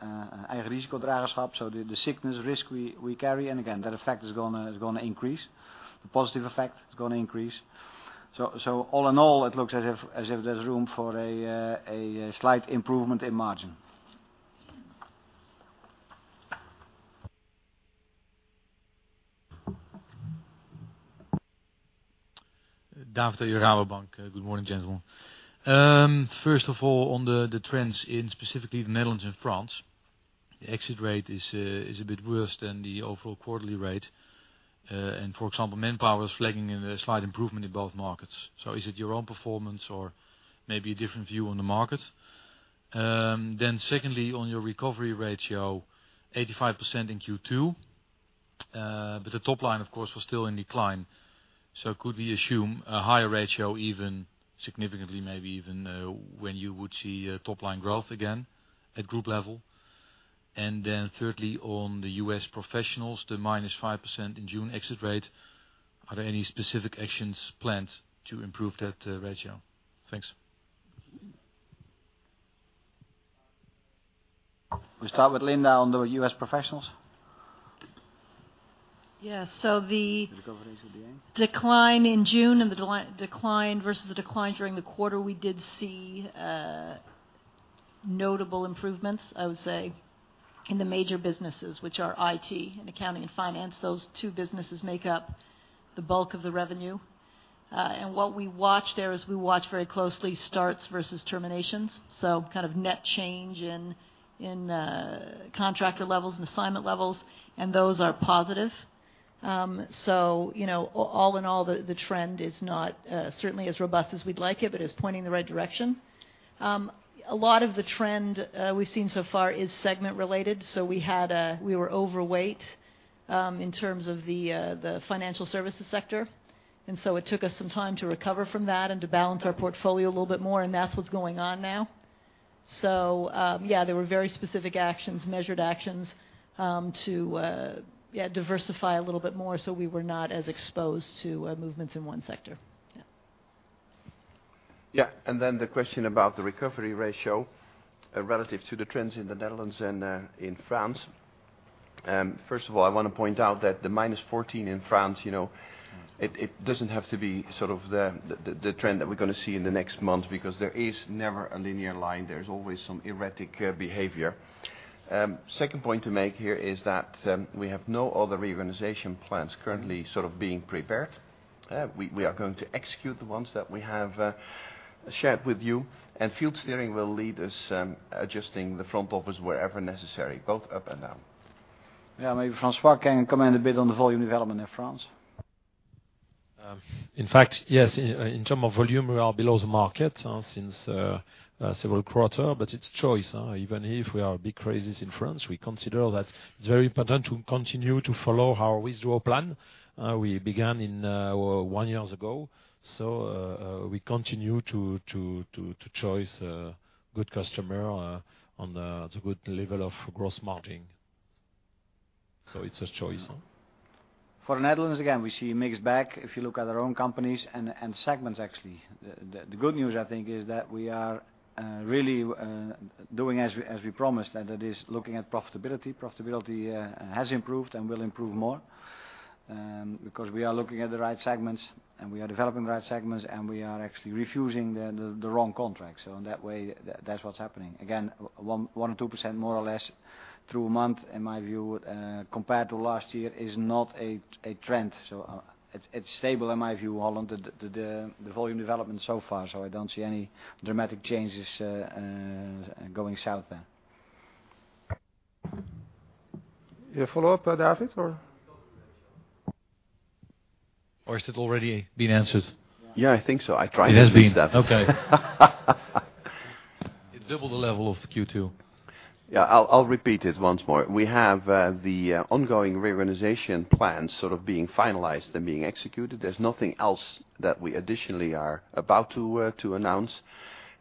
eigenrisicodragerschap, so the sickness risk we carry, and again, that effect is going to increase. The positive effect is going to increase. All in all, it looks as if there's room for a slight improvement in margin. David at Rabobank. Good morning, gentlemen. First of all, on the trends in specifically the Netherlands and France. The exit rate is a bit worse than the overall quarterly rate. For example, Manpower was flagging a slight improvement in both markets. Is it your own performance or maybe a different view on the market? Secondly, on your recovery ratio, 85% in Q2. The top line, of course, was still in decline. Could we assume a higher ratio, even significantly, maybe even when you would see top-line growth again at group level? Thirdly, on the U.S. professionals, the -5% in June exit rate. Are there any specific actions planned to improve that ratio? Thanks. We start with Linda on the U.S. professionals. Yes. Recovery ratio at the end. Decline in June versus the decline during the quarter, we did see notable improvements, I would say, in the major businesses, which are IT and accounting and finance. Those two businesses make up the bulk of the revenue. What we watch there is we watch very closely starts versus terminations. Kind of net change in contractor levels and assignment levels, and those are positive. All in all, the trend is not certainly as robust as we'd like it, but it's pointing in the right direction. A lot of the trend we've seen so far is segment related. We were overweight in terms of the financial services sector, and so it took us some time to recover from that and to balance our portfolio a little bit more, and that's what's going on now. Yeah, there were very specific actions, measured actions, to diversify a little bit more so we were not as exposed to movements in one sector. Yeah. Yeah. The question about the recovery ratio relative to the trends in the Netherlands and in France. First of all, I want to point out that the minus 14 in France, it doesn't have to be the trend that we're going to see in the next month because there is never a linear line. There's always some erratic behavior. Second point to make here is that we have no other reorganization plans currently being prepared. We are going to execute the ones that we have shared with you, and field steering will lead us adjusting the front office wherever necessary, both up and down. Yeah. Maybe François can comment a bit on the volume development in France. In fact, yes. In terms of volume, we are below the market since several quarters, but it's choice. Even if we are big crisis in France, we consider that it's very important to continue to follow our withdraw plan. We began in one year ago. We continue to choose good customers on the good level of gross margin. It's a choice. For the Netherlands, again, we see mix back if you look at our own companies and segments, actually. The good news, I think, is that we are really doing as we promised. That is looking at profitability. Profitability has improved and will improve more because we are looking at the right segments, and we are developing the right segments, and we are actually refusing the wrong contracts. In that way, that's what's happening. Again, 1% or 2%, more or less, through a month, in my view, compared to last year, is not a trend. It's stable, in my view, Holland, the volume development so far, I don't see any dramatic changes going south there. You have follow-up, David, or? Has it already been answered? Yeah, I think so. I tried to do that. It has been. Okay. It doubled the level of Q2. Yeah. I'll repeat it once more. We have the ongoing re-organization plan being finalized and being executed. There's nothing else that we additionally are about to announce,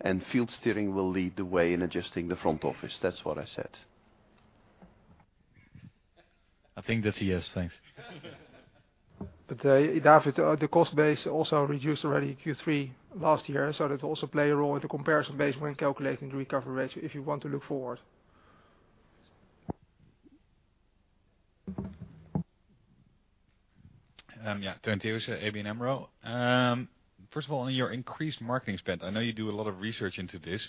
and field steering will lead the way in adjusting the front office. That's what I said. I think that's a yes. Thanks. David, the cost base also reduced already Q3 last year, so that also play a role in the comparison base when calculating the recovery ratio if you want to look forward. Teun Teeuwisse, ABN AMRO. First of all, on your increased marketing spend, I know you do a lot of research into this.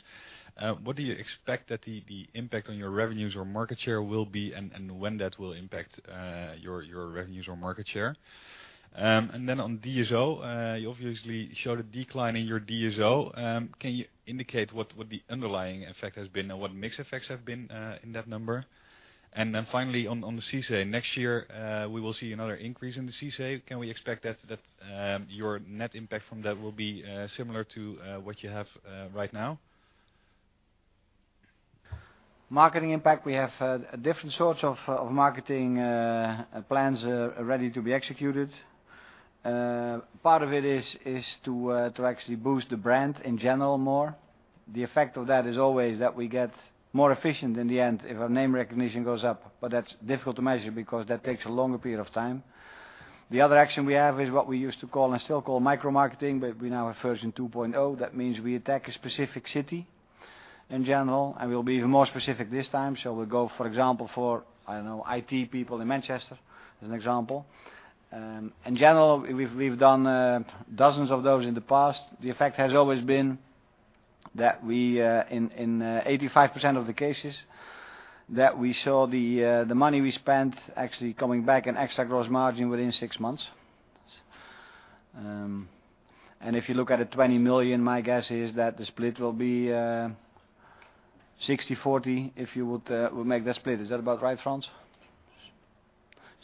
What do you expect that the impact on your revenues or market share will be, and when that will impact your revenues or market share? On DSO, you obviously showed a decline in your DSO. Can you indicate what the underlying effect has been and what mix effects have been in that number? Finally, on the CICE, next year, we will see another increase in the CICE. Can we expect that your net impact from that will be similar to what you have right now? Marketing impact, we have different sorts of marketing plans ready to be executed. Part of it is to actually boost the brand in general more. The effect of that is always that we get more efficient in the end if our name recognition goes up, but that's difficult to measure because that takes a longer period of time. The other action we have is what we used to call, and still call, micromarketing, but we now have version 2.0. That means we attack a specific city in general, and we'll be even more specific this time. So we'll go, for example, for IT people in Manchester, as an example. In general, we've done dozens of those in the past. The effect has always been that we, in 85% of the cases, that we saw the money we spent actually coming back in extra gross margin within six months. If you look at the 20 million, my guess is that the split will be 60-40, if you would make that split. Is that about right, Frans?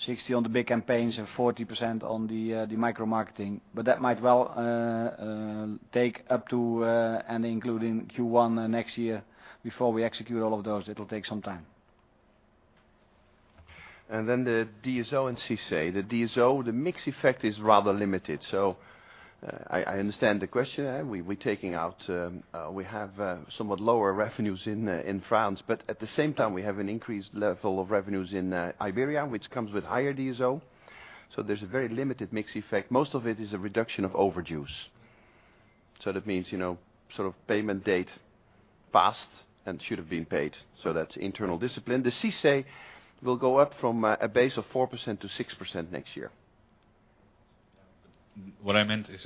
60 on the big campaigns and 40% on the micromarketing. That might well take up to and including Q1 next year before we execute all of those. It'll take some time. The DSO and CICE. The DSO, the mix effect is rather limited. I understand the question. We have somewhat lower revenues in France. At the same time, we have an increased level of revenues in Iberia, which comes with higher DSO. There's a very limited mix effect. Most of it is a reduction of overdues. That means payment date passed and should've been paid. That's internal discipline. The CICE will go up from a base of 4% to 6% next year. What I meant is,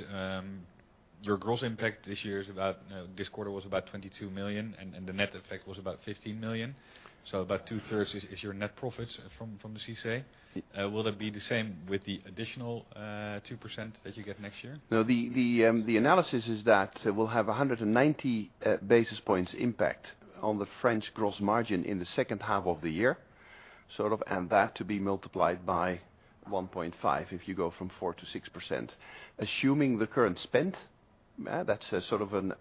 your gross impact this quarter was about 22 million, and the net effect was about 15 million. About two-thirds is your net profits from the CICE. Will it be the same with the additional 2% that you get next year? No, the analysis is that we'll have 190 basis points impact on the French gross margin in the second half of the year. That to be multiplied by 1.5 if you go from 4% to 6%. Assuming the current spend, that's sort of an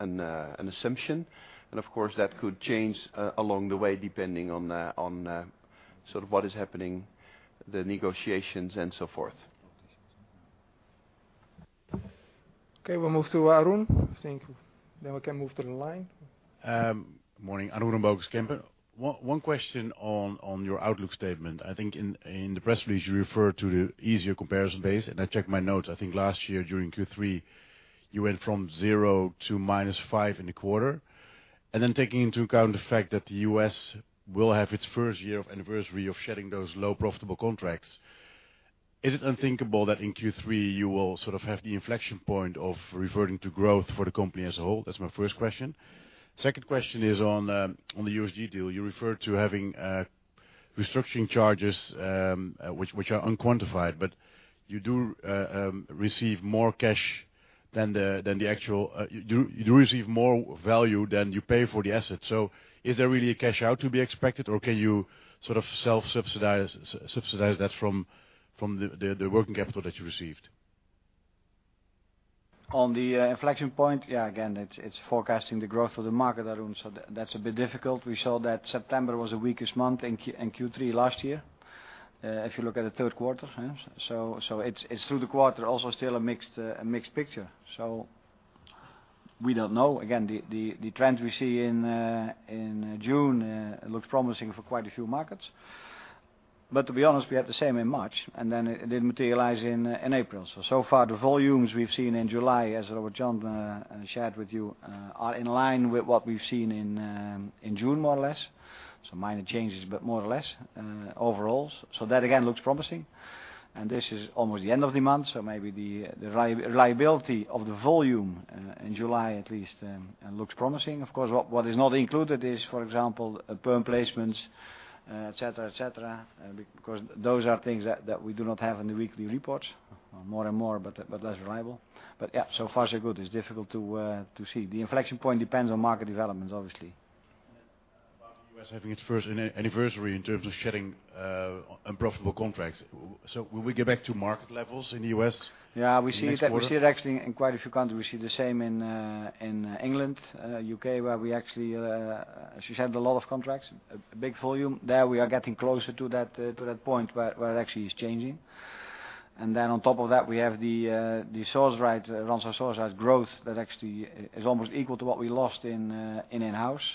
assumption. Of course, that could change along the way, depending on what is happening, the negotiations, and so forth. Okay. We'll move to Arun. I think we can move to the line. Morning. Arun from Kempen. One question on your outlook statement. I think in the press release, you refer to the easier comparison base, and I checked my notes. I think last year during Q3, you went from 0% to -5% in the quarter. Then taking into account the fact that the U.S. will have its first year anniversary of shedding those low profitable contracts, is it unthinkable that in Q3 you will have the inflection point of reverting to growth for the company as a whole? That's my first question. Second question is on the USG deal. You referred to having restructuring charges, which are unquantified, but you do receive more value than you pay for the asset. Is there really a cash out to be expected or can you self-subsidize that from the working capital that you received? On the inflection point, again, it's forecasting the growth of the market, Arun. That's a bit difficult. We saw that September was the weakest month in Q3 last year, if you look at the third quarter. It's through the quarter also still a mixed picture. We don't know. Again, the trends we see in June looks promising for quite a few markets. To be honest, we had the same in March, and then it didn't materialize in April. Far, the volumes we've seen in July, as Robert Jan shared with you, are in line with what we've seen in June, more or less. Some minor changes, but more or less overalls. That again looks promising. This is almost the end of the month, so maybe the reliability of the volume in July at least looks promising. Of course, what is not included is, for example, perm placements, et cetera. Those are things that we do not have in the weekly reports, more and more, but less reliable. So far so good. It's difficult to see. The inflection point depends on market developments, obviously. About the U.S. having its first anniversary in terms of shedding unprofitable contracts. Will we get back to market levels in the U.S. next quarter? Yeah, we see it actually in quite a few countries. We see the same in England, U.K., where we actually shed a lot of contracts, a big volume. There we are getting closer to that point where it actually is changing. On top of that, we have the Randstad Sourceright growth that actually is almost equal to what we lost in in-house.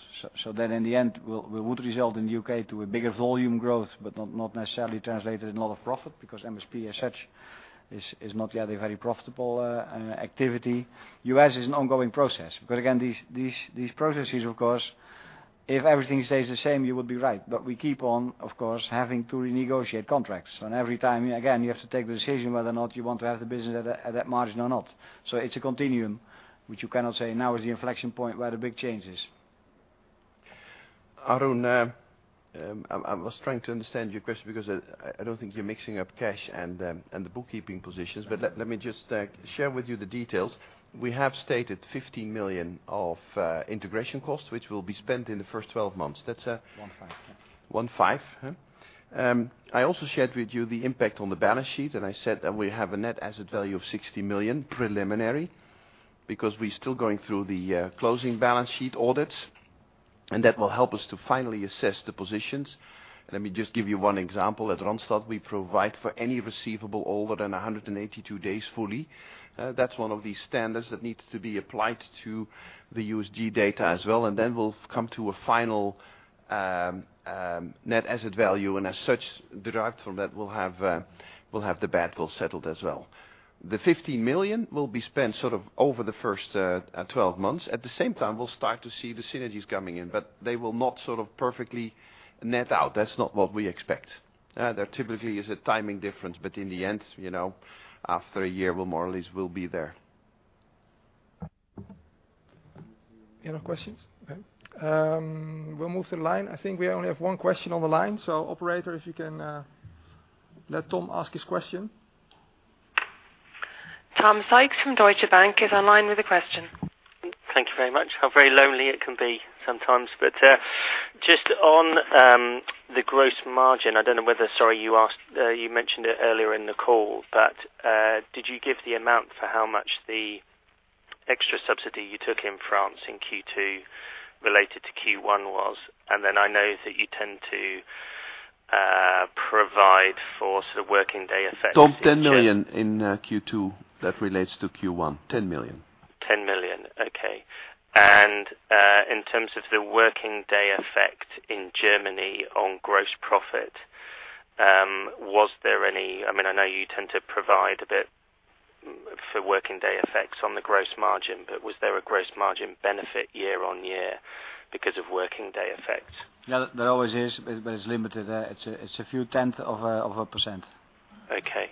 That in the end would result in the U.K. to a bigger volume growth, but not necessarily translated in a lot of profit because MSP as such is not yet a very profitable activity. U.S. is an ongoing process. Again, these processes, of course, if everything stays the same, you would be right. But we keep on, of course, having to renegotiate contracts. Every time, again, you have to take the decision whether or not you want to have the business at that margin or not. It's a continuum, which you cannot say now is the inflection point where the big change is. Arun, I was trying to understand your question because I don't think you're mixing up cash and the bookkeeping positions. Let me just share with you the details. We have stated 15 million of integration costs, which will be spent in the first 12 months. That's- 15. 15. I also shared with you the impact on the balance sheet. I said that we have a net asset value of 60 million preliminary, because we're still going through the closing balance sheet audits, and that will help us to finally assess the positions. Let me just give you one example. At Randstad, we provide for any receivable older than 182 days fully. That's one of the standards that needs to be applied to the USG data as well, and then we'll come to a final net asset value. As such, derived from that, we'll have the badwill settled as well. The 15 million will be spent over the first 12 months. At the same time, we'll start to see the synergies coming in, but they will not perfectly net out. That's not what we expect. There typically is a timing difference, but in the end, after a year, we more or less will be there. Any other questions? Okay. We'll move to the line. I think we only have one question on the line. Operator, if you can let Tom ask his question. Tom Sykes from Deutsche Bank is online with a question. Thank you very much. How very lonely it can be sometimes. Just on the gross margin, I don't know whether, sorry, you mentioned it earlier in the call, but did you give the amount for how much the extra subsidy you took in France in Q2 related to Q1 was? I know that you tend to provide for working day effects. Tom, 10 million in Q2 that relates to Q1. 10 million. 10 million. Okay. In terms of the working day effect in Germany on gross profit, I know you tend to provide a bit for working day effects on the gross margin, but was there a gross margin benefit year-over-year because of working day effect? Yeah, there always is, but it's limited. It's a few tenth of a percent. Okay.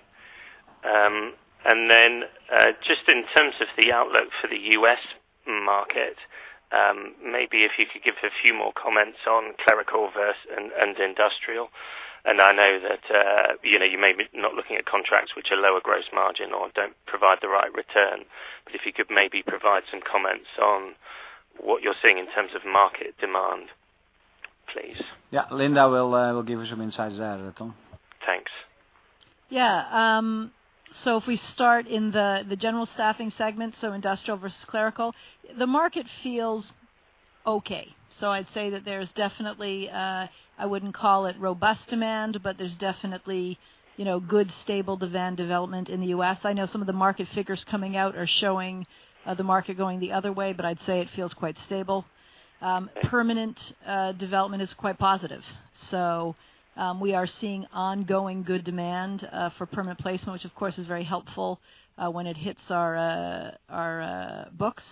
Just in terms of the outlook for the U.S. market, maybe if you could give a few more comments on clerical versus industrial. I know that you may be not looking at contracts which are lower gross margin or don't provide the right return, but if you could maybe provide some comments on what you're seeing in terms of market demand, please. Yeah. Linda will give you some insights there, Tom. Thanks. Yeah. If we start in the general staffing segment, industrial versus clerical, the market feels Okay. I'd say that there's definitely, I wouldn't call it robust demand, but there's definitely good, stable demand development in the U.S. I know some of the market figures coming out are showing the market going the other way, but I'd say it feels quite stable. Permanent development is quite positive. We are seeing ongoing good demand for permanent placement, which of course is very helpful when it hits our books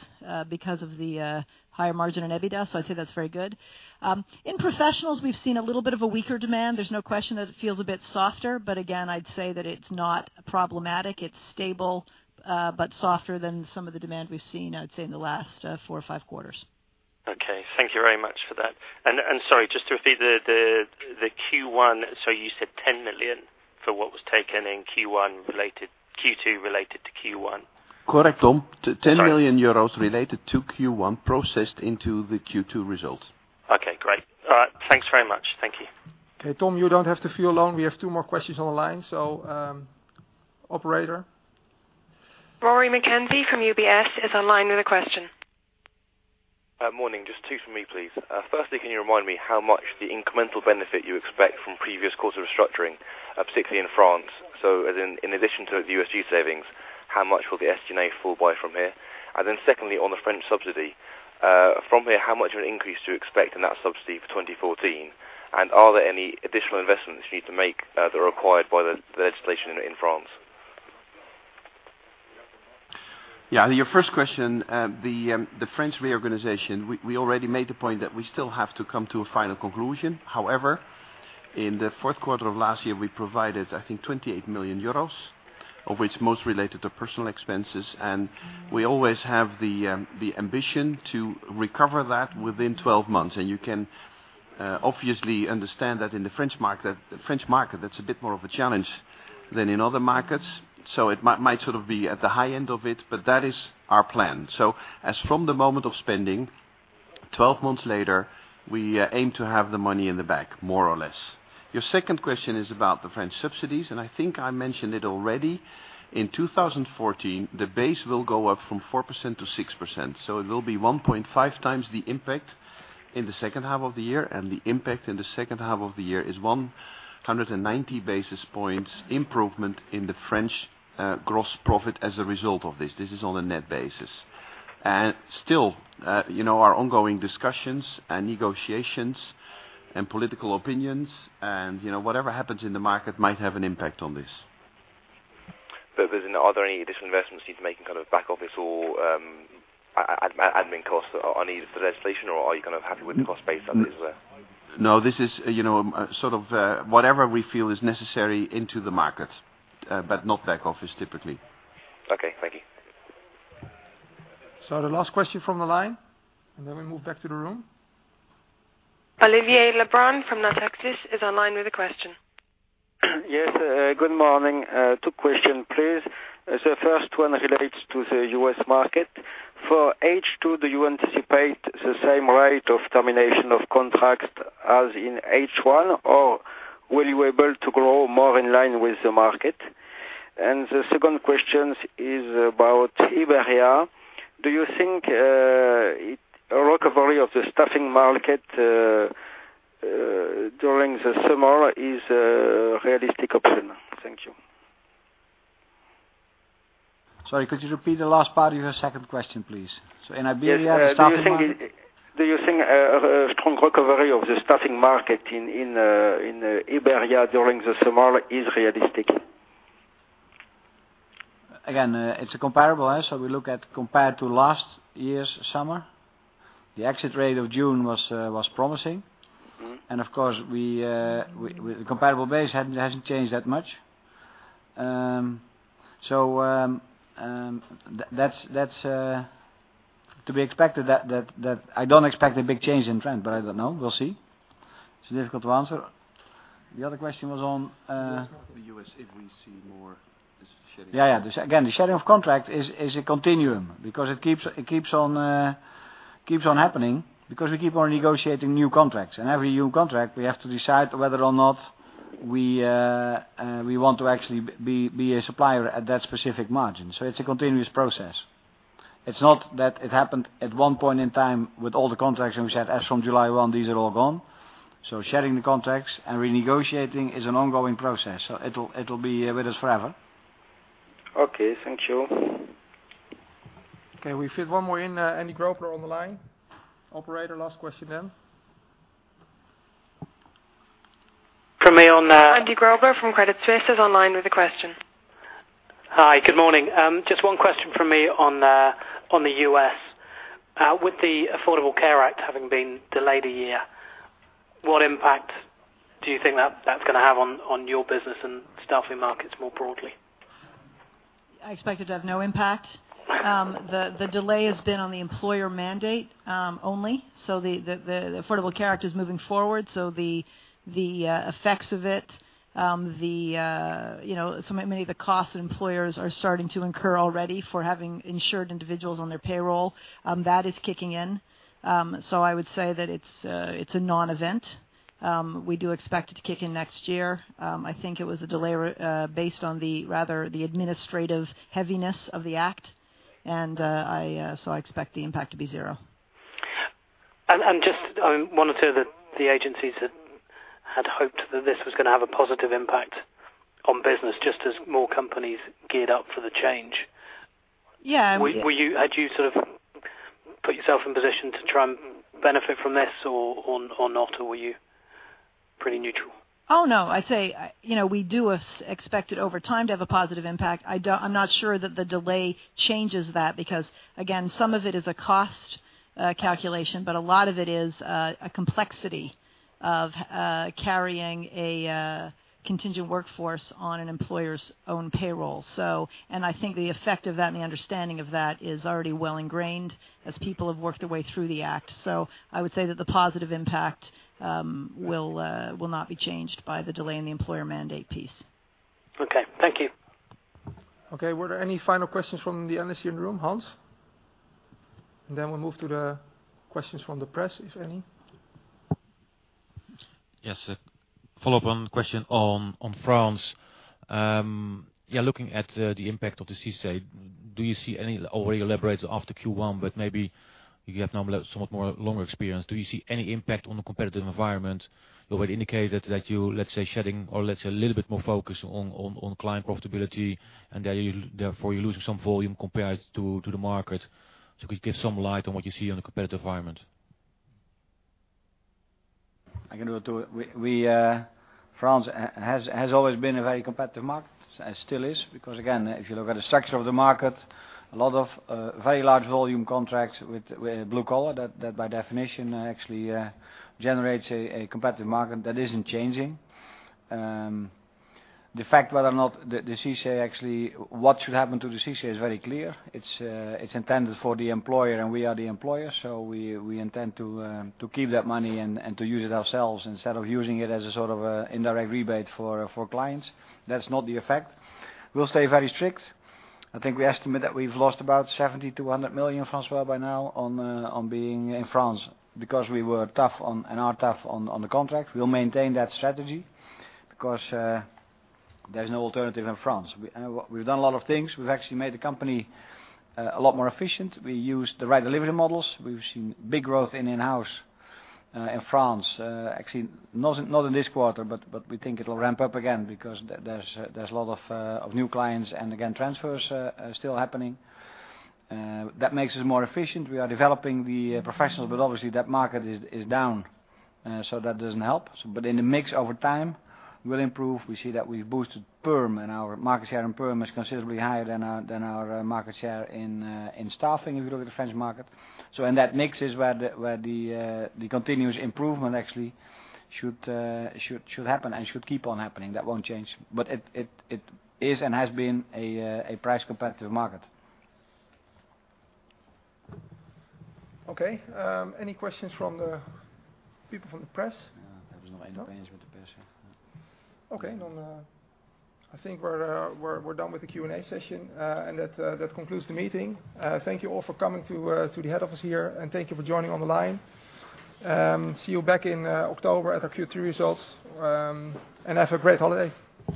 because of the higher margin on EBITDA. I'd say that's very good. In professionals, we've seen a little bit of a weaker demand. There's no question that it feels a bit softer. Again, I'd say that it's not problematic. It's stable, but softer than some of the demand we've seen, I'd say, in the last four or five quarters. Okay. Thank you very much for that. Sorry, just to repeat the Q1, you said 10 million for what was taken in Q2 related to Q1? Correct, Tom. 10 million euros related to Q1 processed into the Q2 results. Okay, great. All right. Thanks very much. Thank you. Okay, Tom, you don't have to feel alone. We have two more questions on the line. Operator? Rory McKenzie from UBS is online with a question. Morning. Just two from me, please. Firstly, can you remind me how much the incremental benefit you expect from previous course of restructuring, particularly in France? In addition to the USG savings, how much will the SG&A fall by from here? Secondly, on the French subsidy. From here, how much of an increase do you expect in that subsidy for 2014? Are there any additional investments you need to make that are required by the legislation in France? Your first question, the French reorganization. We already made the point that we still have to come to a final conclusion. However, in the fourth quarter of last year, we provided, I think, 28 million euros, of which most related to personal expenses. We always have the ambition to recover that within 12 months. You can obviously understand that in the French market, that's a bit more of a challenge than in other markets. It might be at the high end of it, but that is our plan. As from the moment of spending, 12 months later, we aim to have the money in the bank, more or less. Your second question is about the French subsidies, I think I mentioned it already. In 2014, the base will go up from 4% to 6%, it will be 1.5 times the impact in the second half of the year. The impact in the second half of the year is 190 basis points improvement in the French gross profit as a result of this. This is on a net basis. Still, our ongoing discussions and negotiations and political opinions and whatever happens in the market, might have an impact on this. Are there any additional investments you need to make in back office or admin costs that are needed for legislation, or are you happy with the cost base that is there? This is whatever we feel is necessary into the market, but not back office typically. Thank you. The last question from the line, and then we move back to the room. Olivier Lebrun from Natixis is online with a question. Yes, good morning. Two question, please. The first one relates to the U.S. market. For H2, do you anticipate the same rate of termination of contracts as in H1, or were you able to grow more in line with the market? The second question is about Iberia. Do you think a recovery of the staffing market during the summer is a realistic option? Thank you. Sorry, could you repeat the last part of your second question, please? In Iberia, the staffing market- Do you think a strong recovery of the staffing market in Iberia during the summer is realistic? Again, it's a comparable. We look at compared to last year's summer, the exit rate of June was promising. Of course, the comparable base hasn't changed that much. That's to be expected that I don't expect a big change in trend, but I don't know. We'll see. It's difficult to answer. The other question was on. The U.S., if we see more this shedding of contracts? Yeah. Again, the shedding of contract is a continuum because it keeps on happening because we keep on negotiating new contracts. Every new contract, we have to decide whether or not we want to actually be a supplier at that specific margin. It's a continuous process. It's not that it happened at one point in time with all the contracts, and we said, "As from July 1, these are all gone." Shedding the contracts and renegotiating is an ongoing process. It'll be with us forever. Okay, thank you. Okay. We fit one more in. Andy Grobler on the line. Operator, last question. Andy Grobler from Credit Suisse is online with a question. Hi, good morning. Just one question from me on the U.S. With the Affordable Care Act having been delayed a year, what impact do you think that's going to have on your business and staffing markets more broadly? I expect it to have no impact. The delay has been on the employer mandate, only. The Affordable Care Act is moving forward, so the effects of it, many of the costs employers are starting to incur already for having insured individuals on their payroll. That is kicking in. I would say that it's a non-event. We do expect it to kick in next year. I think it was a delay based on the, rather, the administrative heaviness of the act, I expect the impact to be zero. Just one or two of the agencies had hoped that this was going to have a positive impact on business just as more companies geared up for the change. Yeah. Had you sort of put yourself in position to try and benefit from this or not? Were you pretty neutral? Oh, no, I'd say, we do expect it over time to have a positive impact. I'm not sure that the delay changes that, because again, some of it is a cost calculation, but a lot of it is a complexity of carrying a contingent workforce on an employer's own payroll. I think the effect of that and the understanding of that is already well ingrained as people have worked their way through the act. I would say that the positive impact will not be changed by the delay in the employer mandate piece. Okay. Thank you. Okay. Were there any final questions from the analysts here in the room, Hans? Then we'll move to the questions from the press, if any. Yes. Follow-up on question on France. Looking at the impact of the CICE, do you see any already elaborated after Q1, but maybe you have now somewhat more longer experience. Do you see any impact on the competitive environment? You already indicated that you, let's say, shedding or let's say a little bit more focus on client profitability, and therefore you're losing some volume compared to the market. Could you give some light on what you see on the competitive environment? I can do it. France has always been a very competitive market and still is, because again, if you look at the structure of the market, a lot of very large volume contracts with blue collar, that by definition actually generates a competitive market that isn't changing. The fact whether or not the CICE actually, what should happen to the CICE is very clear. It's intended for the employer, and we are the employer, so we intend to keep that money and to use it ourselves instead of using it as a sort of a indirect rebate for clients. That's not the effect. We'll stay very strict. I think we estimate that we've lost about 70 million-100 million, François, by now on being in France because we were tough on and are tough on the contract. We'll maintain that strategy because there's no alternative in France. We've done a lot of things. We've actually made the company a lot more efficient. We use the right delivery models. We've seen big growth in in-house in France. Actually, not in this quarter, but we think it'll ramp up again because there's a lot of new clients and again, transfers are still happening. That makes us more efficient. We are developing the professionals, but obviously, that market is down, so that doesn't help. In the mix over time, we'll improve. We see that we've boosted perm and our market share in perm is considerably higher than our market share in staffing if you look at the French market. In that mix is where the continuous improvement actually should happen and should keep on happening. That won't change, but it is and has been a price-competitive market. Okay. Any questions from the people from the press? Yeah. There was no interference with the press. Okay. I think we're done with the Q&A session, and that concludes the meeting. Thank you all for coming to the head office here, and thank you for joining on the line. See you back in October at our Q3 results, and have a great holiday.